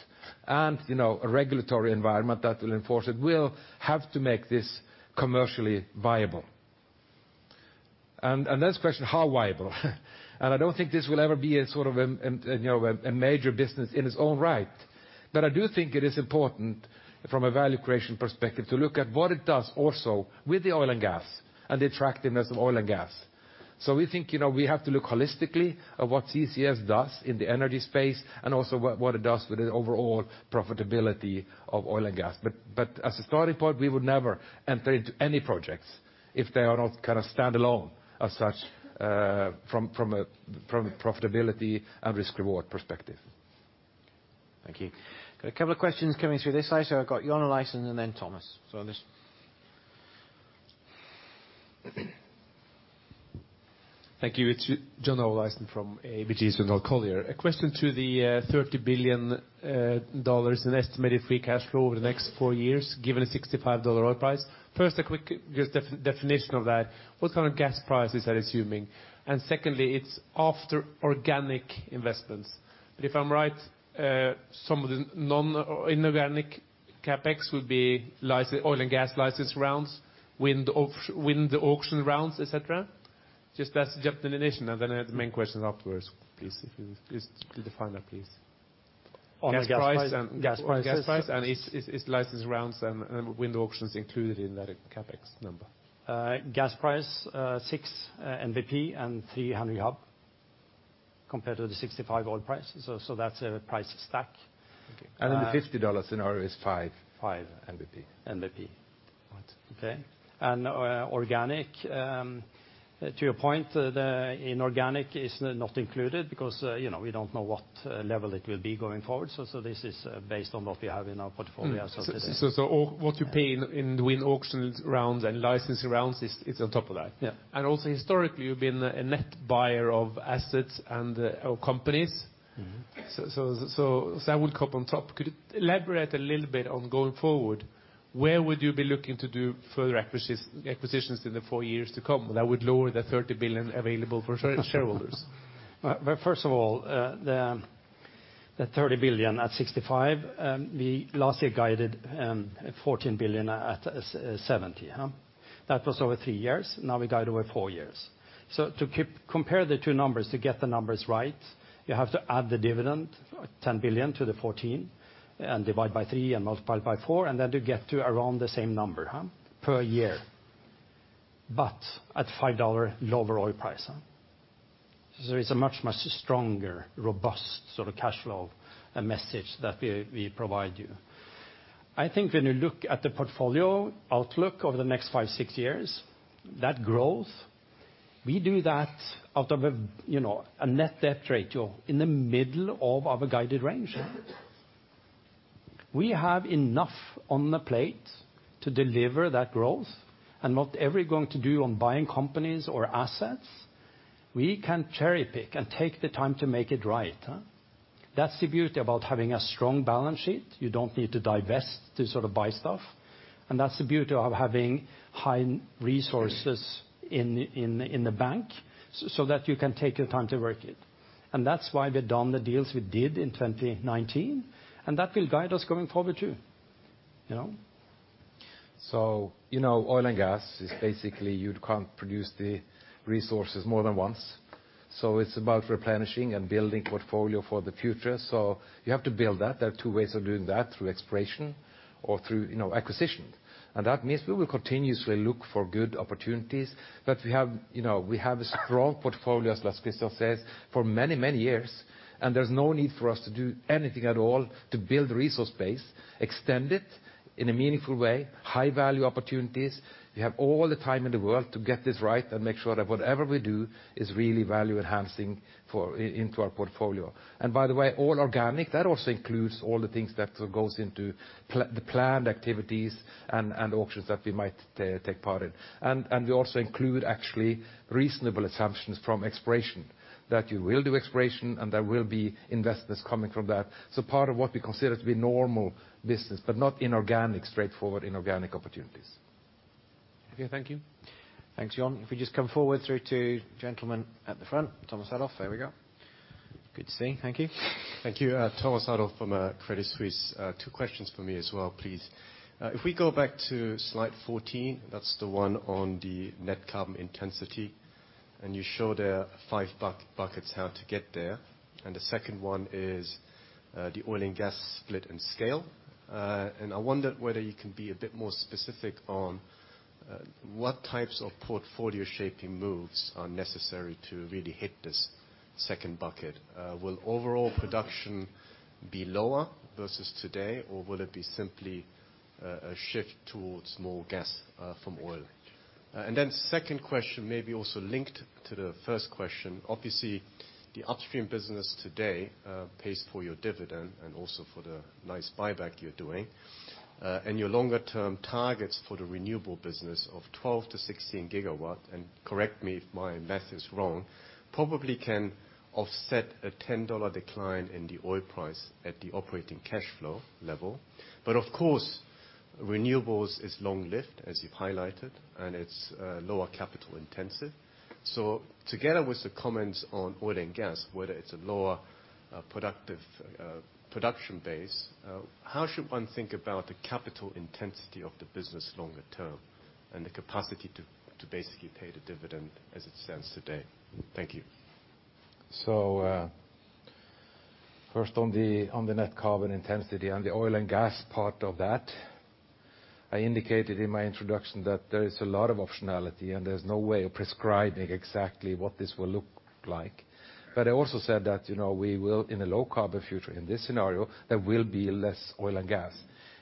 and a regulatory environment that will enforce it, will have to make this commercially viable. Next question, how viable? I don't think this will ever be a sort of a major business in its own right, but I do think it is important from a value creation perspective to look at what it does also with the oil and gas and the attractiveness of oil and gas. We think we have to look holistically at what CCS does in the energy space and also what it does with the overall profitability of oil and gas. As a starting point, we would never enter into any projects if they are not standalone as such from a profitability and risk-reward perspective. Thank you. Got a couple of questions coming through this side, so I've got John Olaisen and then Thomas. Thank you. It is John Olaisen from ABG Sundal Collier. A question to the $30 billion in estimated free cash flow over the next four years, given a $65 oil price. First, a quick definition of that, what kind of gas prices are you assuming? Secondly, it is after organic investments. If I am right, some of the non-inorganic CapEx will be oil and gas license rounds, wind auction rounds, et cetera. Just that is a definition, then the main question afterwards, please. If you could define that, please. On gas price? Gas price and is license rounds and wind auctions included in that CapEx number? Gas price, 6 NBP and $300 hub compared to the $65 oil price. That's a price stack. Okay. The $50 scenario is 5 NBP. 5 NBP. Right. Organic, to your point, the inorganic is not included because we don't know what level it will be going forward. This is based on what we have in our portfolio as of today. What you pay in wind auction rounds and licensing rounds is on top of that? Yeah. Also historically, you've been a net buyer of assets and of companies. That would cup on top. Could you elaborate a little bit on going forward, where would you be looking to do further acquisitions in the four years to come that would lower the $30 billion available for shareholders? First of all, the $30 billion at $65, we last year guided $14 billion at $70. That was over three years. Now we guide over four years. To compare the two numbers, to get the numbers right, you have to add the dividend, $10 billion to the $14 billion, and divide by three and multiply by four, and then you get to around the same number per year, but at $5 lower oil price. It's a much stronger, robust sort of cash flow, a message that we provide you. I think when you look at the portfolio outlook over the next five, six years, that growth, we do that out of a net debt ratio in the middle of our guided range. We have enough on the plate to deliver that growth, and whatever we're going to do on buying companies or assets, we can cherry-pick and take the time to make it right, huh? That's the beauty about having a strong balance sheet. You don't need to divest to buy stuff, and that's the beauty of having high resources in the bank so that you can take your time to work it. That's why we've done the deals we did in 2019, and that will guide us going forward, too. Oil and gas is basically, you can't produce the resources more than once. It's about replenishing and building portfolio for the future. You have to build that. There are two ways of doing that, through exploration or through acquisition. That means we will continuously look for good opportunities, but we have a strong portfolio, as Lars Christian says, for many, many years, and there's no need for us to do anything at all to build resource base, extend it in a meaningful way, high-value opportunities. We have all the time in the world to get this right and make sure that whatever we do is really value-enhancing into our portfolio. By the way, all organic. That also includes all the things that goes into the planned activities and auctions that we might take part in. We also include actually reasonable assumptions from exploration, that you will do exploration and there will be investments coming from that. Part of what we consider to be normal business, but not straightforward inorganic opportunities. Okay, thank you. Thanks, John. If we just come forward through to gentleman at the front. Thomas Adolff, there we go. Good to see you. Thank you. Thank you. Thomas Adolff from Crédit Suisse. Two questions from me as well, please. If we go back to slide 14, that's the one on the net carbon intensity. You show there five buckets how to get there, and the second one is the oil and gas split and scale. I wondered whether you can be a bit more specific on what types of portfolio shaping moves are necessary to really hit this second bucket. Will overall production be lower versus today, or will it be simply a shift towards more gas from oil? Then second question, maybe also linked to the first question. Obviously, the upstream business today pays for your dividend and also for the nice buyback you're doing. Your longer-term targets for the renewable business of 12-16 gigawatt, and correct me if my math is wrong, probably can offset a $10 decline in the oil price at the operating cash flow level. Of course, renewables is long-lived, as you've highlighted, and it's lower capital intensive. Together with the comments on oil and gas, whether it's a lower production base, how should one think about the capital intensity of the business longer term, and the capacity to basically pay the dividend as it stands today? Thank you. First on the net carbon intensity, on the oil and gas part of that, I indicated in my introduction that there is a lot of optionality, and there's no way of prescribing exactly what this will look like. I also said that we will, in a low-carbon future, in this scenario, there will be less oil and gas.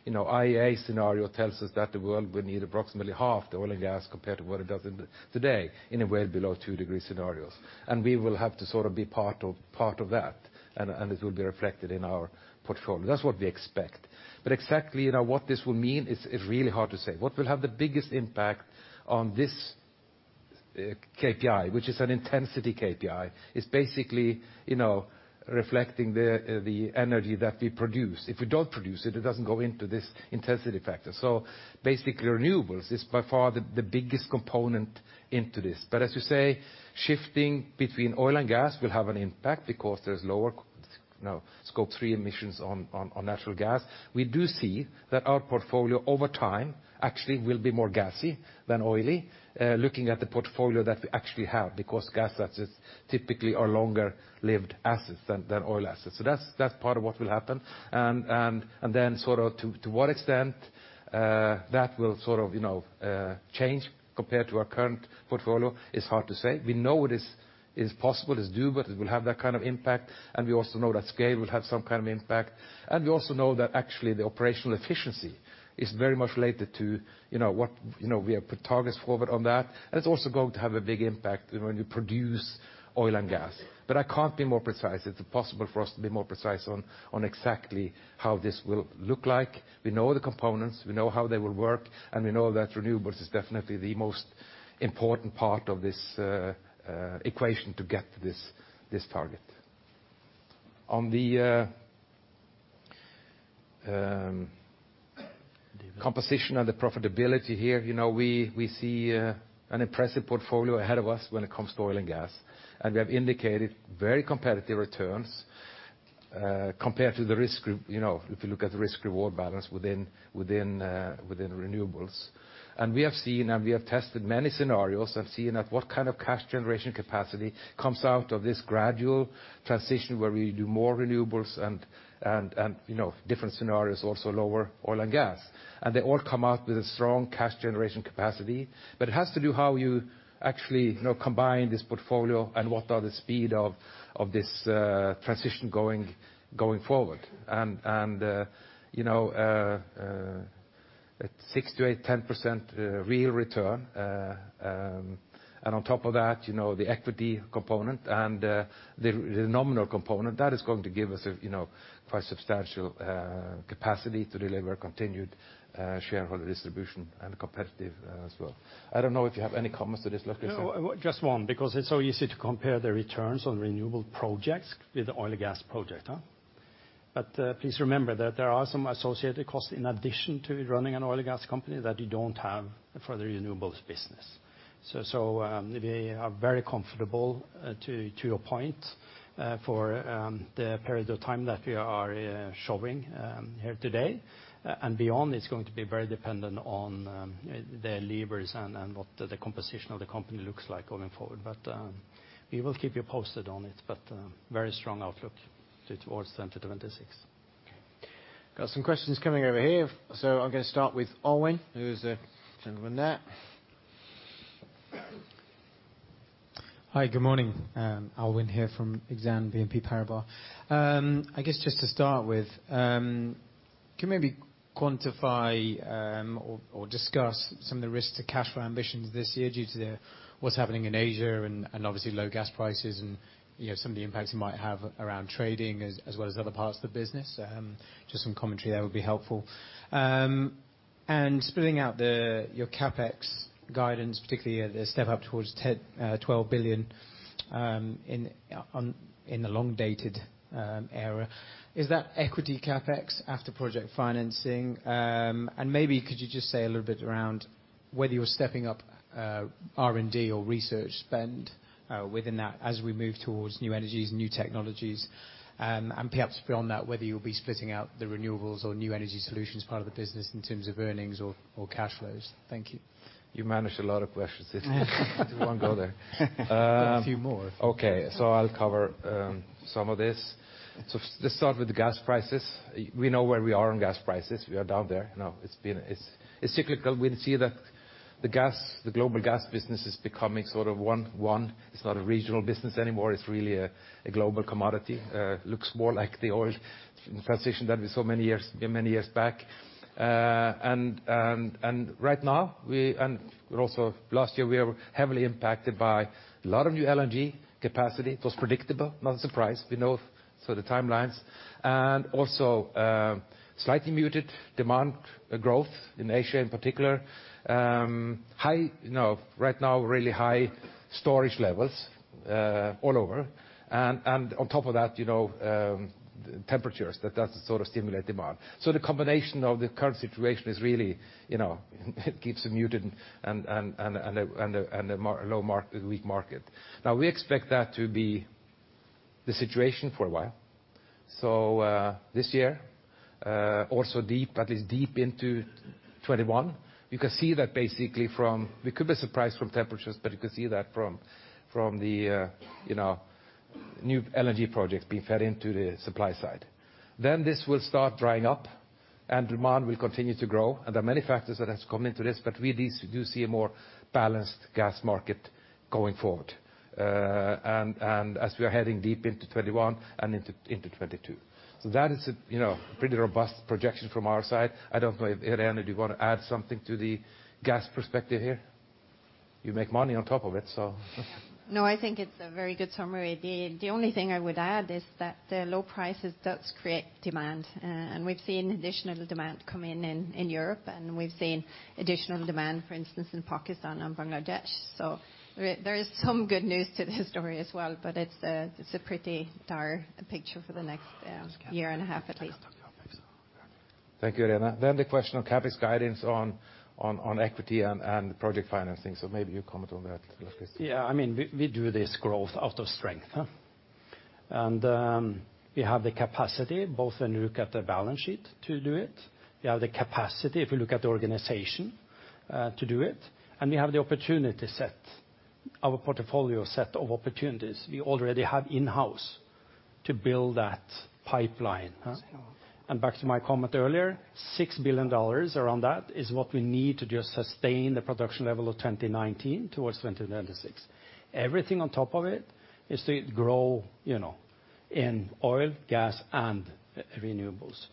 IEA scenario tells us that the world will need approximately half the oil and gas compared to what it does today in a well below 2 degree scenarios. We will have to sort of be part of that, and it will be reflected in our portfolio. That's what we expect. Exactly what this will mean, it's really hard to say. What will have the biggest impact on this KPI, which is an intensity KPI, is basically reflecting the energy that we produce. If we don't produce it doesn't go into this intensity factor. Basically, renewables is by far the biggest component into this. As you say, shifting between oil and gas will have an impact because there's lower Scope 3 emissions on natural gas. We do see that our portfolio over time actually will be more gassy than oily, looking at the portfolio that we actually have, because gas assets typically are longer-lived assets than oil assets. That's part of what will happen. To what extent that will change compared to our current portfolio is hard to say. We know it is possible, is doable, it will have that kind of impact, and we also know that scale will have some kind of impact. We also know that actually the operational efficiency is very much related to what we have put targets forward on that. It's also going to have a big impact when you produce oil and gas. I can't be more precise. It's impossible for us to be more precise on exactly how this will look like. We know the components, we know how they will work, and we know that renewables is definitely the most important part of this equation to get to this target. On the composition and the profitability here, we see an impressive portfolio ahead of us when it comes to oil and gas. We have indicated very competitive returns compared to the risk group, if you look at the risk-reward balance within renewables. We have seen and we have tested many scenarios and seen at what kind of cash generation capacity comes out of this gradual transition where we do more renewables and different scenarios, also lower oil and gas. They all come out with a strong cash generation capacity. It has to do how you actually combine this portfolio and what are the speed of this transition going forward. At 6% to 8%, 10% real return, and on top of that, the equity component and the nominal component, that is going to give us a quite substantial capacity to deliver continued shareholder distribution and competitive as well. I don't know if you have any comments to this, Lars Christian. No, just one, because it's so easy to compare the returns on renewable projects with the oil and gas project. Please remember that there are some associated costs in addition to running an oil and gas company that you don't have for the renewables business. We are very comfortable to your point for the period of time that we are showing here today. Beyond, it's going to be very dependent on the levers and what the composition of the company looks like going forward. We will keep you posted on it, but very strong outlook towards 2026. Got some questions coming over here. I'm going to start with Alwyn, who's the gentleman there Hi, good morning. Alwyn here from Exane BNP Paribas. I guess just to start with, can you maybe quantify or discuss some of the risks to cashflow ambitions this year due to what's happening in Asia, and obviously low gas prices and some of the impacts it might have around trading, as well as other parts of the business? Just some commentary there would be helpful. Splitting out your CapEx guidance, particularly the step up towards $12 billion in the long-dated era. Is that equity CapEx after project financing? Maybe could you just say a little bit around whether you're stepping up R&D or research spend within that as we move towards new energies, new technologies, and perhaps beyond that, whether you'll be splitting out the renewables or new energy solutions part of the business in terms of earnings or cash flows? Thank you. You managed a lot of questions in one go there. A few more. Okay. I'll cover some of this. Let's start with the gas prices. We know where we are on gas prices. We are down there. It's cyclical. We see that the global gas business is becoming one. It's not a regional business anymore, it's really a global commodity. Looks more like the oil transition that we saw many years back. Right now, and also last year, we are heavily impacted by a lot of new LNG capacity. It was predictable, not a surprise. We know the timelines. Also slightly muted demand growth in Asia in particular. Right now really high storage levels all over. On top of that, temperatures, that does stimulate demand. The combination of the current situation keeps it muted and a weak market. We expect that to be the situation for a while. This year, also deep into 2021, we could be surprised from temperatures, but you can see that from the new energy projects being fed into the supply side. This will start drying up, and demand will continue to grow. There are many factors that has come into this, but we at least do see a more balanced gas market going forward as we are heading deep into 2021 and into 2022. That is a pretty robust projection from our side. I don't know if, Irene, do you want to add something to the gas perspective here? You make money on top of it. I think it's a very good summary. The only thing I would add is that the low prices does create demand, and we've seen additional demand come in in Europe, and we've seen additional demand, for instance, in Pakistan and Bangladesh. There is some good news to the story as well, but it's a pretty dire picture for the next year and a half at least. Thank you, Irene. The question on CapEx guidance on equity and project financing. Maybe you comment on that, Lars Christian. Yeah, we do this growth out of strength. We have the capacity, both when you look at the balance sheet to do it, we have the capacity if we look at the organization to do it, and we have the opportunity set, our portfolio set of opportunities we already have in-house to build that pipeline. Back to my comment earlier, $6 billion around that is what we need to just sustain the production level of 2019 towards 2026. Everything on top of it is to grow in oil, gas, and renewables.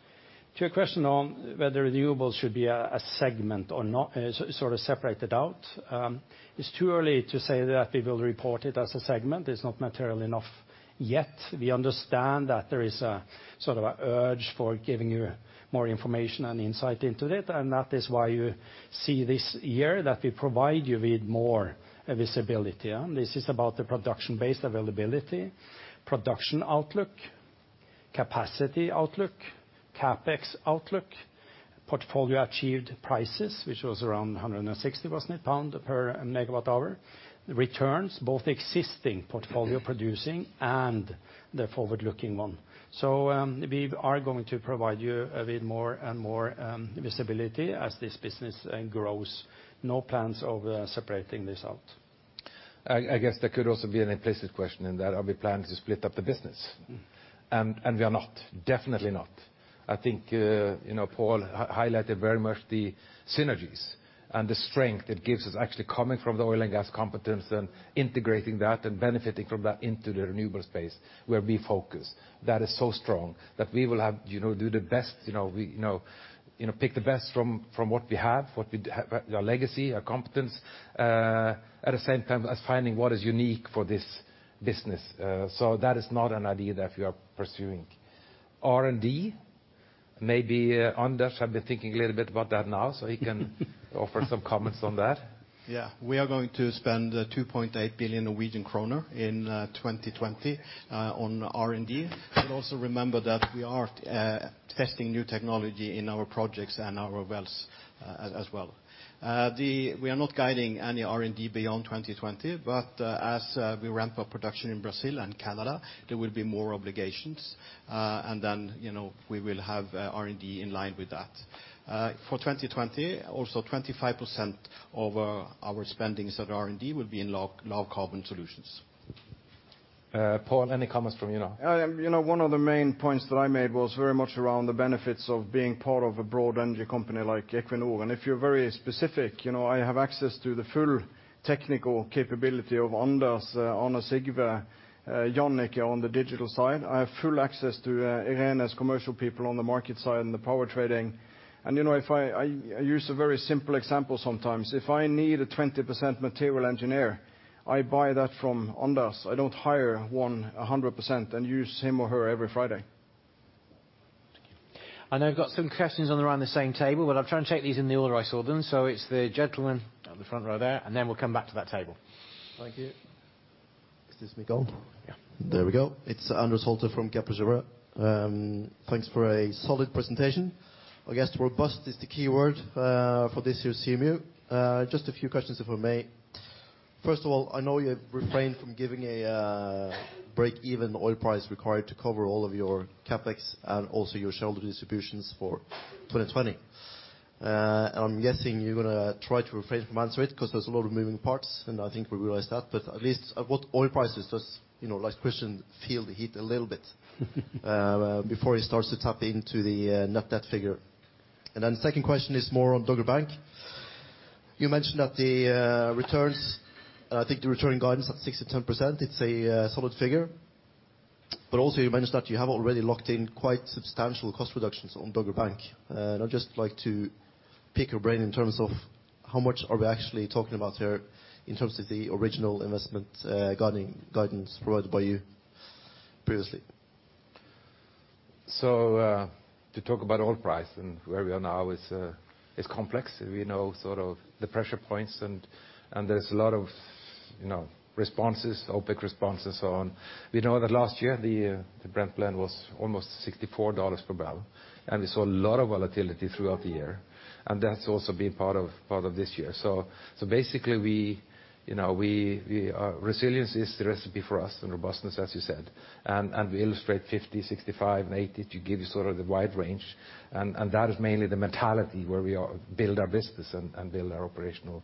To your question on whether renewables should be a segment or not, sort of separated out, it's too early to say that we will report it as a segment. It's not material enough yet. We understand that there is a sort of urge for giving you more information and insight into it, and that is why you see this year that we provide you with more visibility. This is about the production-based availability, production outlook, capacity outlook, CapEx outlook, portfolio achieved prices, which was around 160 per megawatt-hour, wasn't it? Returns, both existing portfolio producing and the forward-looking one. We are going to provide you with more and more visibility as this business grows. No plans of separating this out. I guess there could also be an implicit question in that, are we planning to split up the business? We are not. Definitely not. I think Pål highlighted very much the synergies and the strength it gives us actually coming from the oil and gas competence and integrating that and benefiting from that into the renewable space where we focus. That is so strong that we will pick the best from what we have, our legacy, our competence, at the same time as finding what is unique for this business. That is not an idea that we are pursuing. R&D, maybe Anders have been thinking a little bit about that now, so he can offer some comments on that. Yeah. We are going to spend 2.8 billion Norwegian kroner in 2020 on R&D. Also remember that we are testing new technology in our projects and our wells as well. We are not guiding any R&D beyond 2020, but as we ramp up production in Brazil and Canada, there will be more obligations. Then we will have R&D in line with that. For 2020, also 25% of our spendings at R&D will be in low carbon solutions. Pål, any comments from you? One of the main points that I made was very much around the benefits of being part of a broad energy company like Equinor. If you're very specific, I have access to the full technical capability of Anders, Arne Sigve, Jannicke on the digital side. I have full access to Irene's commercial people on the market side and the power trading. I use a very simple example sometimes. If I need a 20% material engineer, I buy that from Anders. I don't hire one 100% and use him or her every Friday. Thank you. I know we've got some questions around the same table, but I'm trying to take these in the order I saw them. It's the gentleman on the front row there, and then we'll come back to that table. Thank you. Is this mic on? There we go. It's Anders Holte from Kepler Cheuvreux. Thanks for a solid presentation. I guess robust is the keyword for this year's CMU. Just a few questions, if I may. First of all, I know you've refrained from giving a break-even oil price required to cover all of your CapEx and also your shareholder distributions for 2020. I'm guessing you're going to try to refrain from answering it because there's a lot of moving parts, and I think we realize that. At least at what oil prices does Lars Christian feel the heat a little bit before he starts to tap into the net debt figure? Second question is more on Dogger Bank. You mentioned that the returns, I think the return guidance at 6%-10%, it's a solid figure. Also you mentioned that you have already locked in quite substantial cost reductions on Dogger Bank. I'd just like to pick your brain in terms of how much are we actually talking about here in terms of the original investment guidance provided by you previously? To talk about oil price and where we are now, it's complex. We know sort of the pressure points and there's a lot of responses, OPEC responses so on. We know that last year, the Brent Blend was almost $64 per barrel, and we saw a lot of volatility throughout the year. That's also been part of this year. Basically, resilience is the recipe for us and robustness, as you said. We illustrate 50, 65, and 80 to give you sort of the wide range. That is mainly the mentality where we build our business and build our operational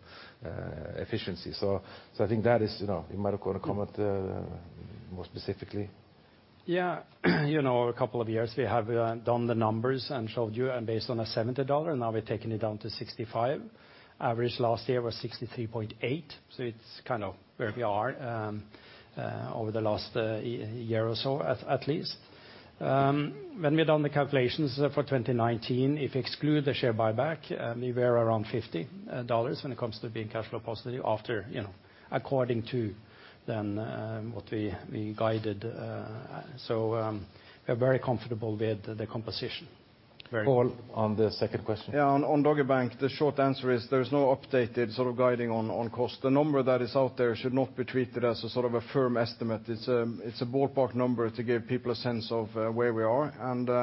efficiency. You might want to comment more specifically. A couple of years we have done the numbers and showed you and based on a $70, now we're taking it down to 65. Average last year was 63.8, so it's kind of where we are over the last year or so at least. When we have done the calculations for 2019, if exclude the share buyback, we were around $50 when it comes to being cash flow positive after according to then what we guided. We're very comfortable with the composition. Very. Pål, on the second question. Yeah, on Dogger Bank, the short answer is there is no updated sort of guiding on cost. The number that is out there should not be treated as a sort of a firm estimate. It's a ballpark number to give people a sense of where we are.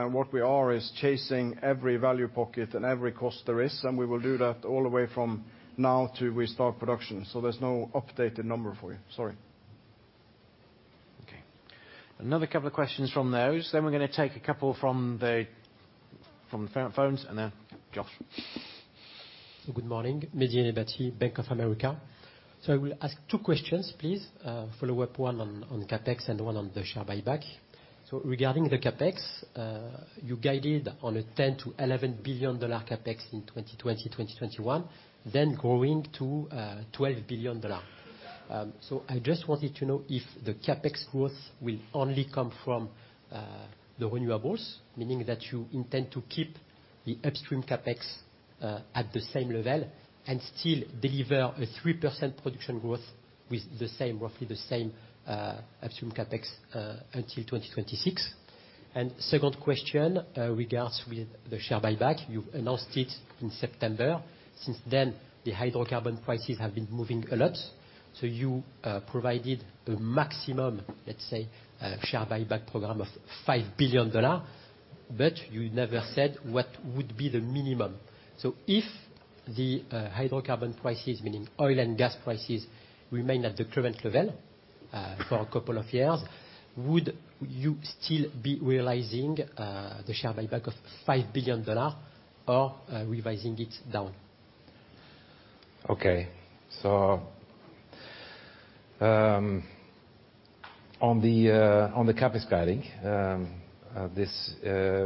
What we are is chasing every value pocket and every cost there is, and we will do that all the way from now till we start production. There's no updated number for you. Sorry. Okay. Another couple of questions from those, then we're going to take a couple from the phones and then Josh. Good morning. Mehdi Enebati, Bank of America. I will ask two questions, please. Follow-up one on CapEx and one on the share buyback. Regarding the CapEx, you guided on a $10 billion-$11 billion CapEx in 2020-2021, then growing to $12 billion. I just wanted to know if the CapEx growth will only come from the renewables, meaning that you intend to keep the upstream CapEx at the same level and still deliver a 3% production growth with roughly the same upstream CapEx, until 2026. Second question regards with the share buyback. You announced it in September. Since then, the hydrocarbon prices have been moving a lot. You provided a maximum, let's say, share buyback program of $5 billion, but you never said what would be the minimum. If the hydrocarbon prices, meaning oil and gas prices, remain at the current level for a couple of years, would you still be realizing the share buyback of $5 billion or revising it down? Okay. On the CapEx guiding,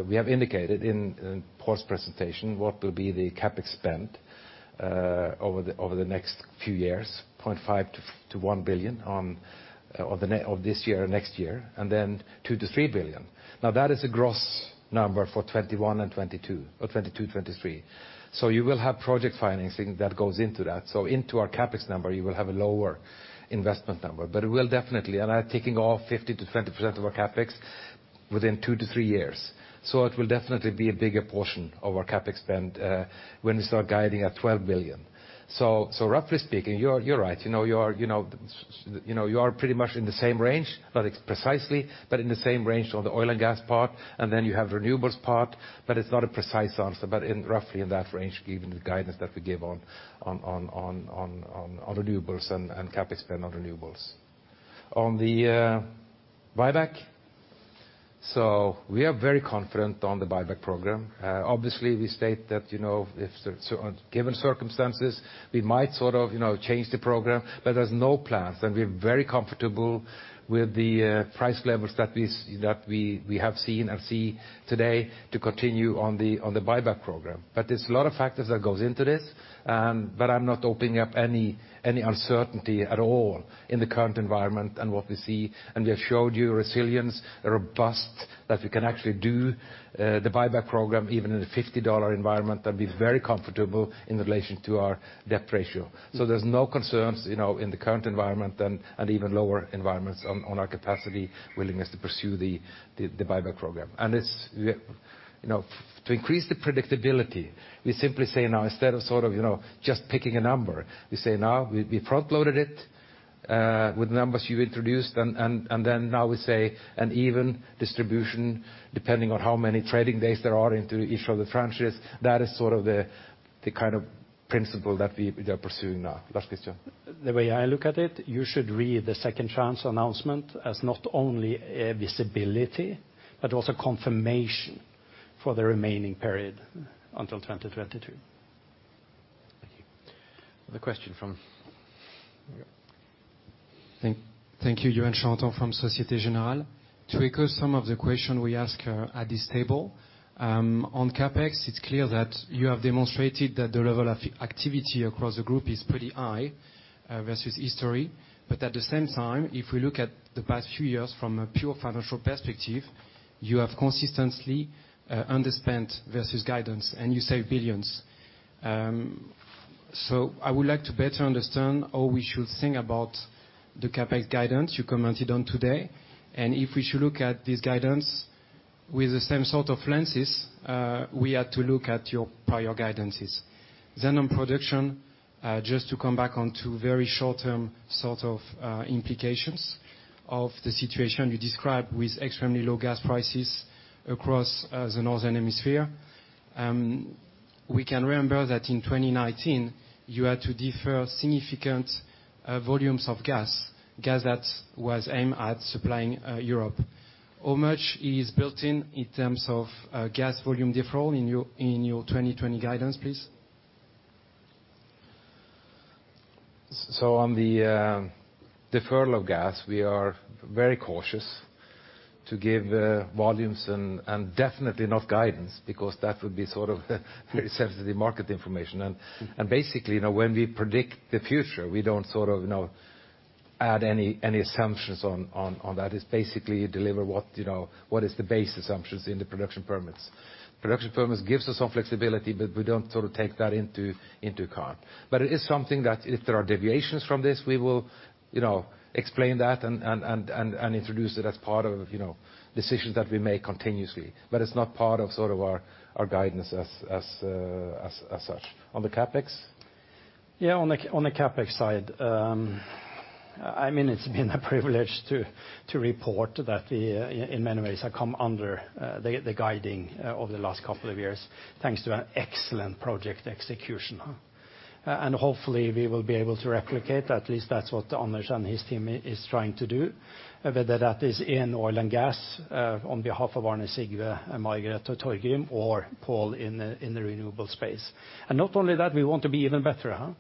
we have indicated in Pål's presentation what will be the CapEx spend over the next few years, $0.5 billion-$1 billion of this year or next year, $2 billion-$3 billion. That is a gross number for 2021 and 2022 or 2022, 2023. You will have project financing that goes into that. Into our CapEx number, you will have a lower investment number. We will definitely, and I'm taking off 50%-20% of our CapEx within two to three years. It will definitely be a bigger portion of our CapEx spend when we start guiding at $12 billion. Roughly speaking, you're right. You are pretty much in the same range, not precisely, but in the same range on the oil and gas part, you have renewables part. It's not a precise answer, but roughly in that range given the guidance that we give on renewables and CapEx spend on renewables. On the buyback. We are very confident on the buyback program. Obviously, we state that if given circumstances, we might change the program, but there's no plans, and we're very comfortable with the price levels that we have seen and see today to continue on the buyback program. There's a lot of factors that goes into this, but I'm not opening up any uncertainty at all in the current environment and what we see, and we have showed you resilience, a robust that we can actually do the buyback program even in a $50 environment. That'll be very comfortable in relation to our debt ratio. There's no concerns, in the current environment and even lower environments on our capacity, willingness to pursue the buyback program. To increase the predictability, we simply say now, instead of just picking a number, we say now we front loaded it, with numbers you introduced and then now we say an even distribution depending on how many trading days there are into each of the tranches. That is sort of the kind of principle that we are pursuing now. Lars Christian? The way I look at it, you should read the second tranche announcement as not only a visibility, but also confirmation for the remaining period until 2022. Thank you. Another question from Thank you, Yoann Charenton from Societe Generale. To echo some of the question we ask at this table, on CapEx, it's clear that you have demonstrated that the level of activity across the group is pretty high, versus history. At the same time, if we look at the past few years from a pure financial perspective, you have consistently, underspent versus guidance and you save $ billions. I would like to better understand how we should think about the CapEx guidance you commented on today, and if we should look at this guidance with the same sort of lenses, we had to look at your prior guidances. On production, just to come back on two very short-term sort of implications of the situation you described with extremely low gas prices across the Northern Hemisphere. We can remember that in 2019 you had to defer significant volumes of gas that was aimed at supplying Europe. How much is built in in terms of gas volume deferral in your 2020 guidance, please? On the deferral of gas, we are very cautious to give volumes and definitely not guidance because that would be sort of very sensitive market information. Basically, when we predict the future, we don't add any assumptions on that. It's basically deliver what is the base assumptions in the production permits. Production permits gives us some flexibility, but we don't take that into account. It is something that if there are deviations from this, we will explain that and introduce it as part of decisions that we make continuously. It's not part of our guidance as such. On the CapEx? Yeah, on the CapEx side, it's been a privilege to report that we in many ways have come under the guiding over the last couple of years, thanks to an excellent project execution. Hopefully we will be able to replicate, at least that's what Anders and his team is trying to do, whether that is in oil and gas, on behalf of Arne, Sigve, and Margareth, Torgrim, or Pål in the renewable space. Not only that, we want to be even better.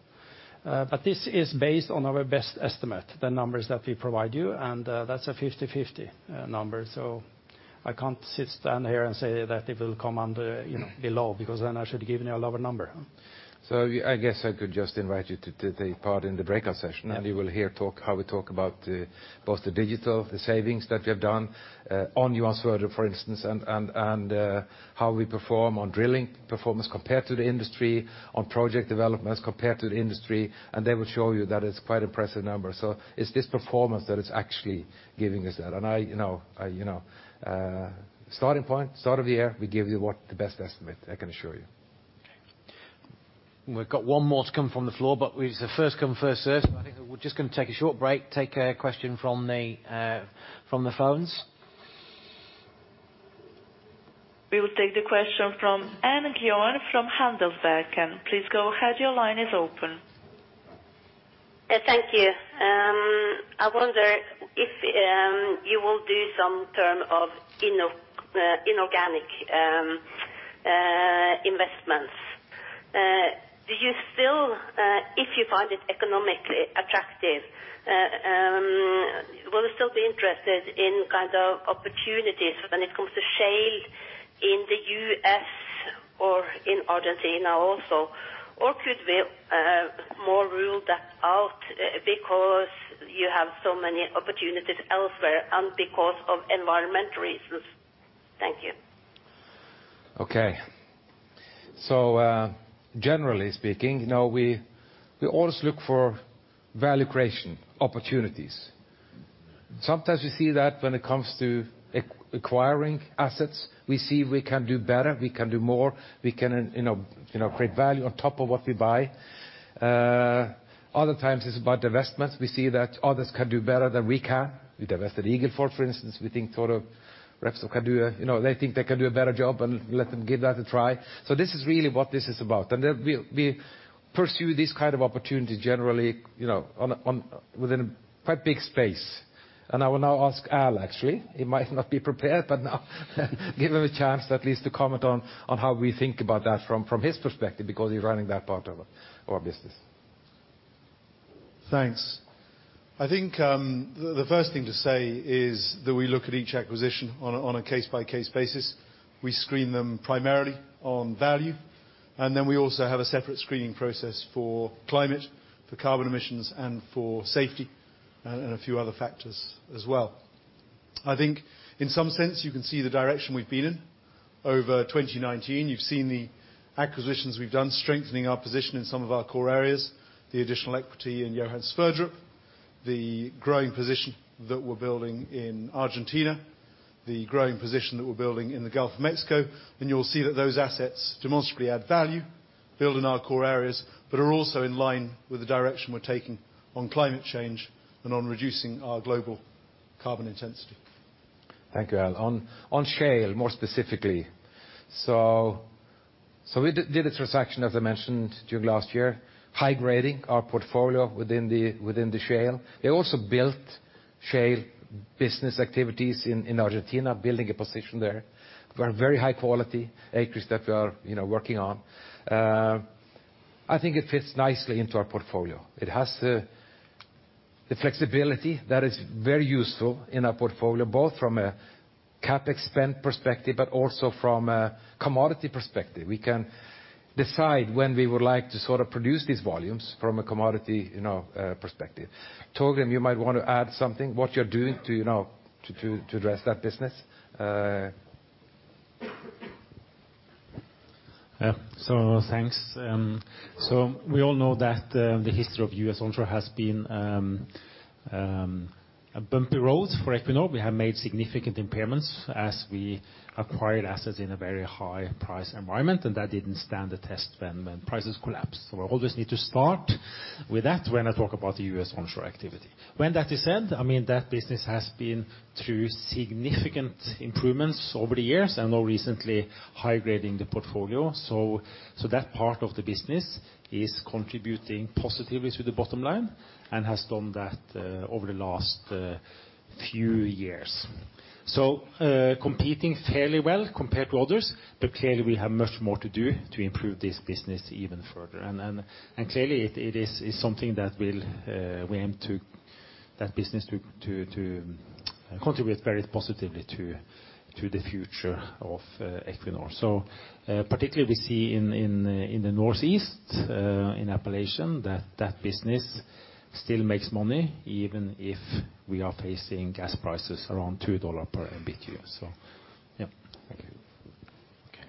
This is based on our best estimate, the numbers that we provide you, and that's a 50/50 number. I can't sit down here and say that it will come below, because then I should have given you a lower number. I guess I could just invite you to take part in the breakout session. You will hear how we talk about both the digital, the savings that we have done, on Yoann's for instance, and how we perform on drilling performance compared to the industry on project developments compared to the industry. They will show you that it's quite impressive number. It's this performance that is actually giving us that. Starting point, start of the year, we give you what the best estimate I can assure you. Okay. We've got one more to come from the floor, but with the first come, first served. I think we're just going to take a short break, take a question from the phones. We will take the question from Anne Gjøen from Handelsbanken. Please go ahead. Your line is open. Thank you. I wonder if you will do some term of inorganic investments. If you find it economically attractive, will you still be interested in opportunities when it comes to shale in the U.S. or in Argentina also? Could we more rule that out because you have so many opportunities elsewhere and because of environment reasons? Thank you. Okay. Generally speaking, we always look for value creation opportunities. Sometimes we see that when it comes to acquiring assets, we see if we can do better, we can do more, we can create value on top of what we buy. Other times it's about divestments. We see that others can do better than we can. We divested Eagle Ford, for instance. We think Repsol can do a better job and let them give that a try. This is really what this is about. We pursue these kind of opportunities generally within quite big space. I will now ask Al, actually. He might not be prepared, but now give him a chance at least to comment on how we think about that from his perspective, because he's running that part of our business. Thanks. I think the first thing to say is that we look at each acquisition on a case-by-case basis. We screen them primarily on value, and then we also have a separate screening process for climate, for carbon emissions, and for safety, and a few other factors as well. I think in some sense, you can see the direction we've been in over 2019. You've seen the acquisitions we've done, strengthening our position in some of our core areas, the additional equity in Johan Sverdrup, the growing position that we're building in Argentina, the growing position that we're building in the Gulf of Mexico. You'll see that those assets demonstrably add value, build in our core areas, but are also in line with the direction we're taking on climate change and on reducing our global carbon intensity. Thank you, Al. On shale more specifically, we did a transaction, as I mentioned, during last year, high-grading our portfolio within the shale. We also built shale business activities in Argentina, building a position there, very high-quality acreage that we are working on. I think it fits nicely into our portfolio. It has the flexibility that is very useful in our portfolio, both from a CapEx spend perspective, but also from a commodity perspective. We can decide when we would like to produce these volumes from a commodity perspective. Torgrim, you might want to add something, what you're doing to address that business. Thanks. We all know that the history of U.S. onshore has been a bumpy road for Equinor. We have made significant impairments as we acquired assets in a very high price environment, and that didn't stand the test when prices collapsed. I always need to start with that when I talk about the U.S. onshore activity. When that is said, that business has been through significant improvements over the years, and now recently, high-grading the portfolio. That part of the business is contributing positively to the bottom line and has done that over the last few years. Competing fairly well compared to others, but clearly we have much more to do to improve this business even further. Clearly it is something that we aim to, that business to contribute very positively to the future of Equinor. Particularly we see in the northeast, in Appalachia, that business still makes money even if we are facing gas prices around $2 per MBtu. Yeah. Thank you. Okay.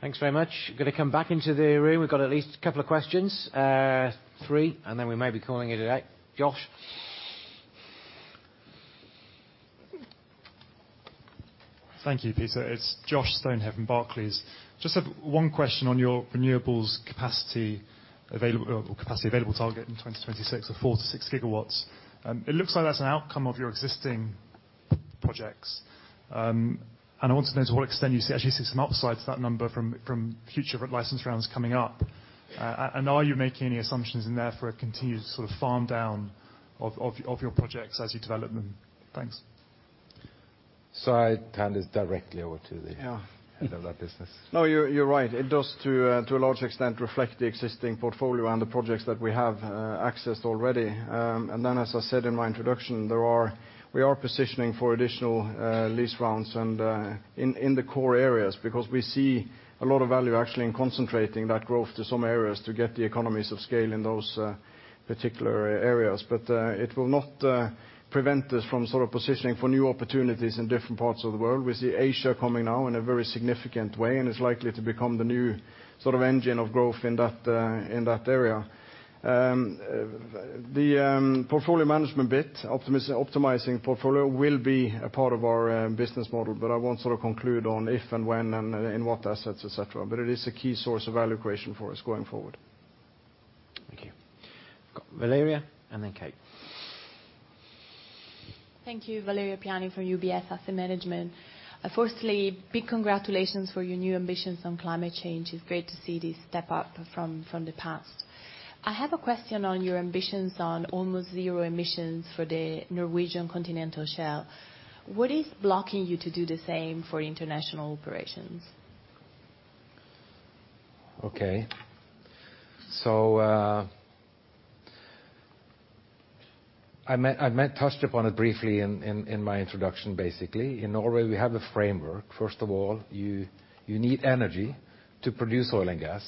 Thanks very much. Going to come back into the room. We've got at least a couple of questions, three, and then we may be calling it a day. Josh? Thank you, Peter. It's Josh Stone, Barclays. Just have one question on your renewables capacity available target in 2026 of four to six gigawatts. It looks like that's an outcome of your existing projects. I want to know to what extent you actually see some upside to that number from future license rounds coming up. Are you making any assumptions in there for a continued farm-down of your projects as you develop them? Thanks. I hand this directly over. Yeah head of that business. No, you're right. It does, to a large extent, reflect the existing portfolio and the projects that we have accessed already. As I said in my introduction, we are positioning for additional lease rounds and in the core areas, because we see a lot of value, actually, in concentrating that growth to some areas to get the economies of scale in those particular areas. It will not prevent us from positioning for new opportunities in different parts of the world. We see Asia coming now in a very significant way, and it's likely to become the new engine of growth in that area. The portfolio management bit, optimizing portfolio, will be a part of our business model, but I won't conclude on if and when and in what assets, et cetera. It is a key source of value creation for us going forward. Thank you. We've got Valeria and then Kate. Thank you. Valeria Piani from UBS Asset Management. Big congratulations for your new ambitions on climate change. It is great to see this step up from the past. I have a question on your ambitions on almost zero emissions for the Norwegian continental shelf. What is blocking you to do the same for international operations? I might touched upon it briefly in my introduction, basically. In Norway, we have the framework. First of all, you need energy to produce oil and gas.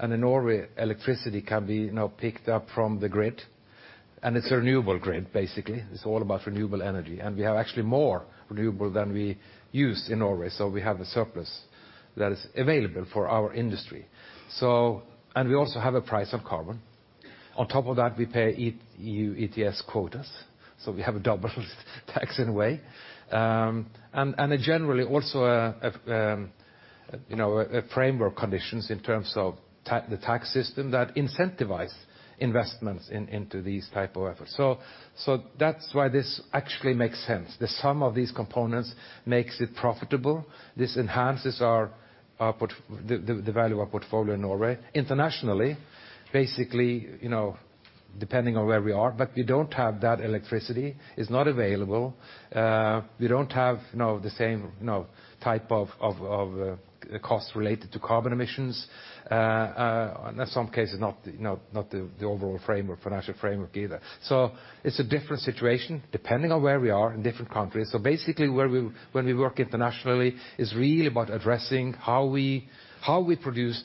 In Norway, electricity can be picked up from the grid. It's a renewable grid, basically. It's all about renewable energy. We have actually more renewable than we use in Norway. We have a surplus that is available for our industry. We also have a price of carbon. On top of that, we pay EU ETS quotas. We have a double tax in a way. Generally also a framework conditions in terms of the tax system that incentivize investments into these type of efforts. That's why this actually makes sense. The sum of these components makes it profitable. This enhances the value of our portfolio in Norway. Internationally, depending on where we are, we don't have that electricity. It's not available. We don't have the same type of cost related to carbon emissions, in some cases not the overall financial framework either. It's a different situation depending on where we are in different countries. Basically, when we work internationally, it's really about addressing how we produce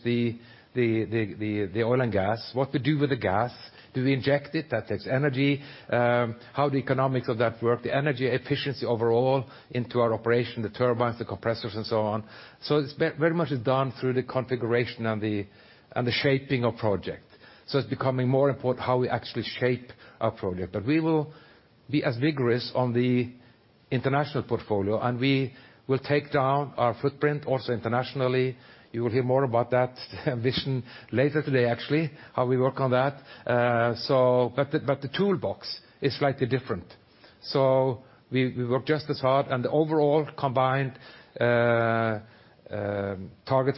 the oil and gas, what we do with the gas. Do we inject it? That takes energy. How the economics of that work, the energy efficiency overall into our operation, the turbines, the compressors, and so on. It's very much done through the configuration and the shaping of project. It's becoming more important how we actually shape our project. We will be as vigorous on the international portfolio, and we will take down our footprint also internationally. You will hear more about that vision later today, actually, how we work on that. The toolbox is slightly different. We work just as hard, and the overall combined target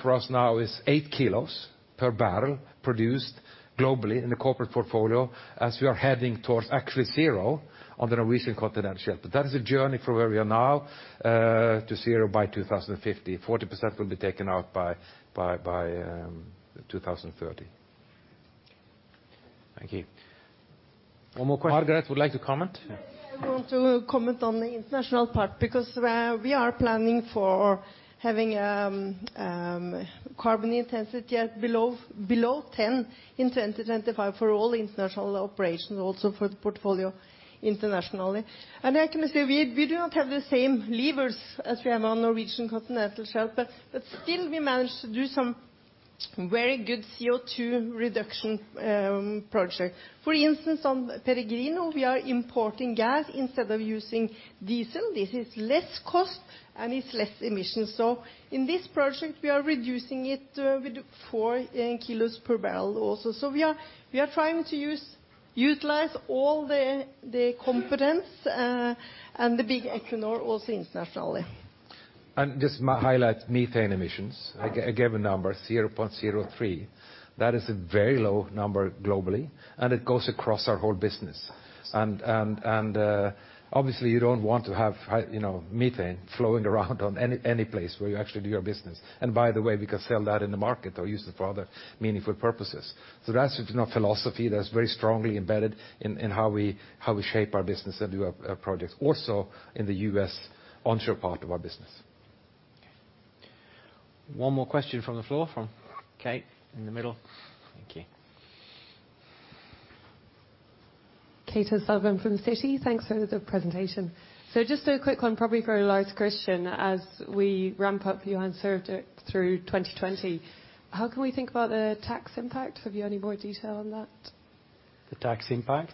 for us now is eight kilos per barrel produced globally in the corporate portfolio, as we are heading towards actually zero on the Norwegian Continental Shelf. That is a journey from where we are now to zero by 2050. 40% will be taken out by 2030. Thank you. One more question. Margareth would like to comment. I want to comment on the international part because we are planning for having carbon intensity at below 10 in 2025 for all international operations, also for the portfolio internationally. I can say we do not have the same levers as we have on Norwegian Continental Shelf, but still we manage to do some very good CO2 reduction project. For instance, on Peregrino, we are importing gas instead of using diesel. This is less cost and it's less emissions. In this project, we are reducing it with four kilos per barrel also. We are trying to utilize all the competence and the big Equinor also internationally. Just highlight methane emissions. I gave a number, 0.03. That is a very low number globally, and it goes across our whole business. Obviously you don't want to have methane flowing around on any place where you actually do your business. By the way, we can sell that in the market or use it for other meaningful purposes. That's our philosophy that's very strongly embedded in how we shape our business and do our projects, also in the U.S. onshore part of our business. One more question from the floor, from Kate in the middle. Thank you. Kate O'Sullivan from Citi. Thanks for the presentation. Just a quick one, probably for Lars Christian, as we ramp up Johan Sverdrup through 2020, how can we think about the tax impact? Have you any more detail on that? The tax impact?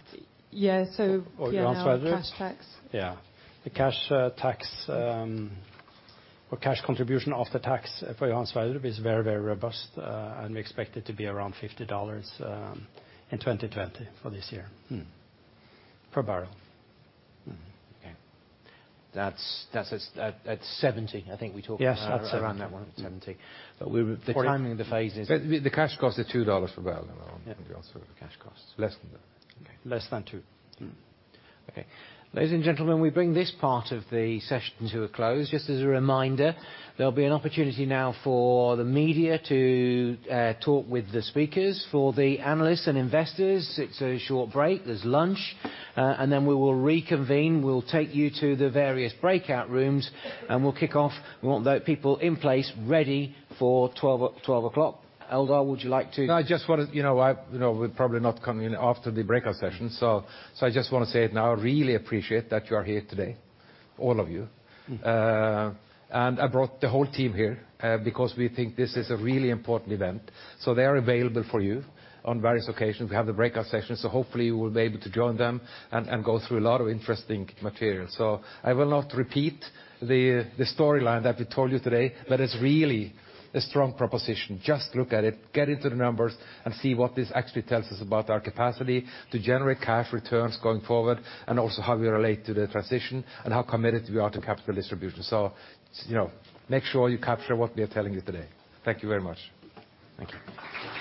Yeah, so- Oh, Johan Sverdrup? Yeah, cash tax. Yeah. The cash tax or cash contribution of the tax for Johan Sverdrup is very robust, and we expect it to be around $50 in 2020 for this year per barrel. Okay. That's at 70. Yes, that's around that one. The timing and the phases- The cash cost is $2 a barrel, I think, on Sverdrup cash costs. Less than that. Less than two. Okay. Ladies and gentlemen, we bring this part of the session to a close. Just as a reminder, there'll be an opportunity now for the media to talk with the speakers. For the analysts and investors, it's a short break. There's lunch, and then we will reconvene. We'll take you to the various breakout rooms, and we'll kick off. We want the people in place ready for 12 o'clock. Eldar, would you like to- No, I just want to, we're probably not coming in after the breakout session, so I just want to say it now. Really appreciate that you are here today, all of you. I brought the whole team here because we think this is a really important event. They are available for you on various occasions. We have the breakout sessions, so hopefully you will be able to join them and go through a lot of interesting material. I will not repeat the storyline that we told you today, but it's really a strong proposition. Just look at it, get into the numbers, and see what this actually tells us about our capacity to generate cash returns going forward, and also how we relate to the transition, and how committed we are to capital distribution. Make sure you capture what we are telling you today. Thank you very much. Thank you.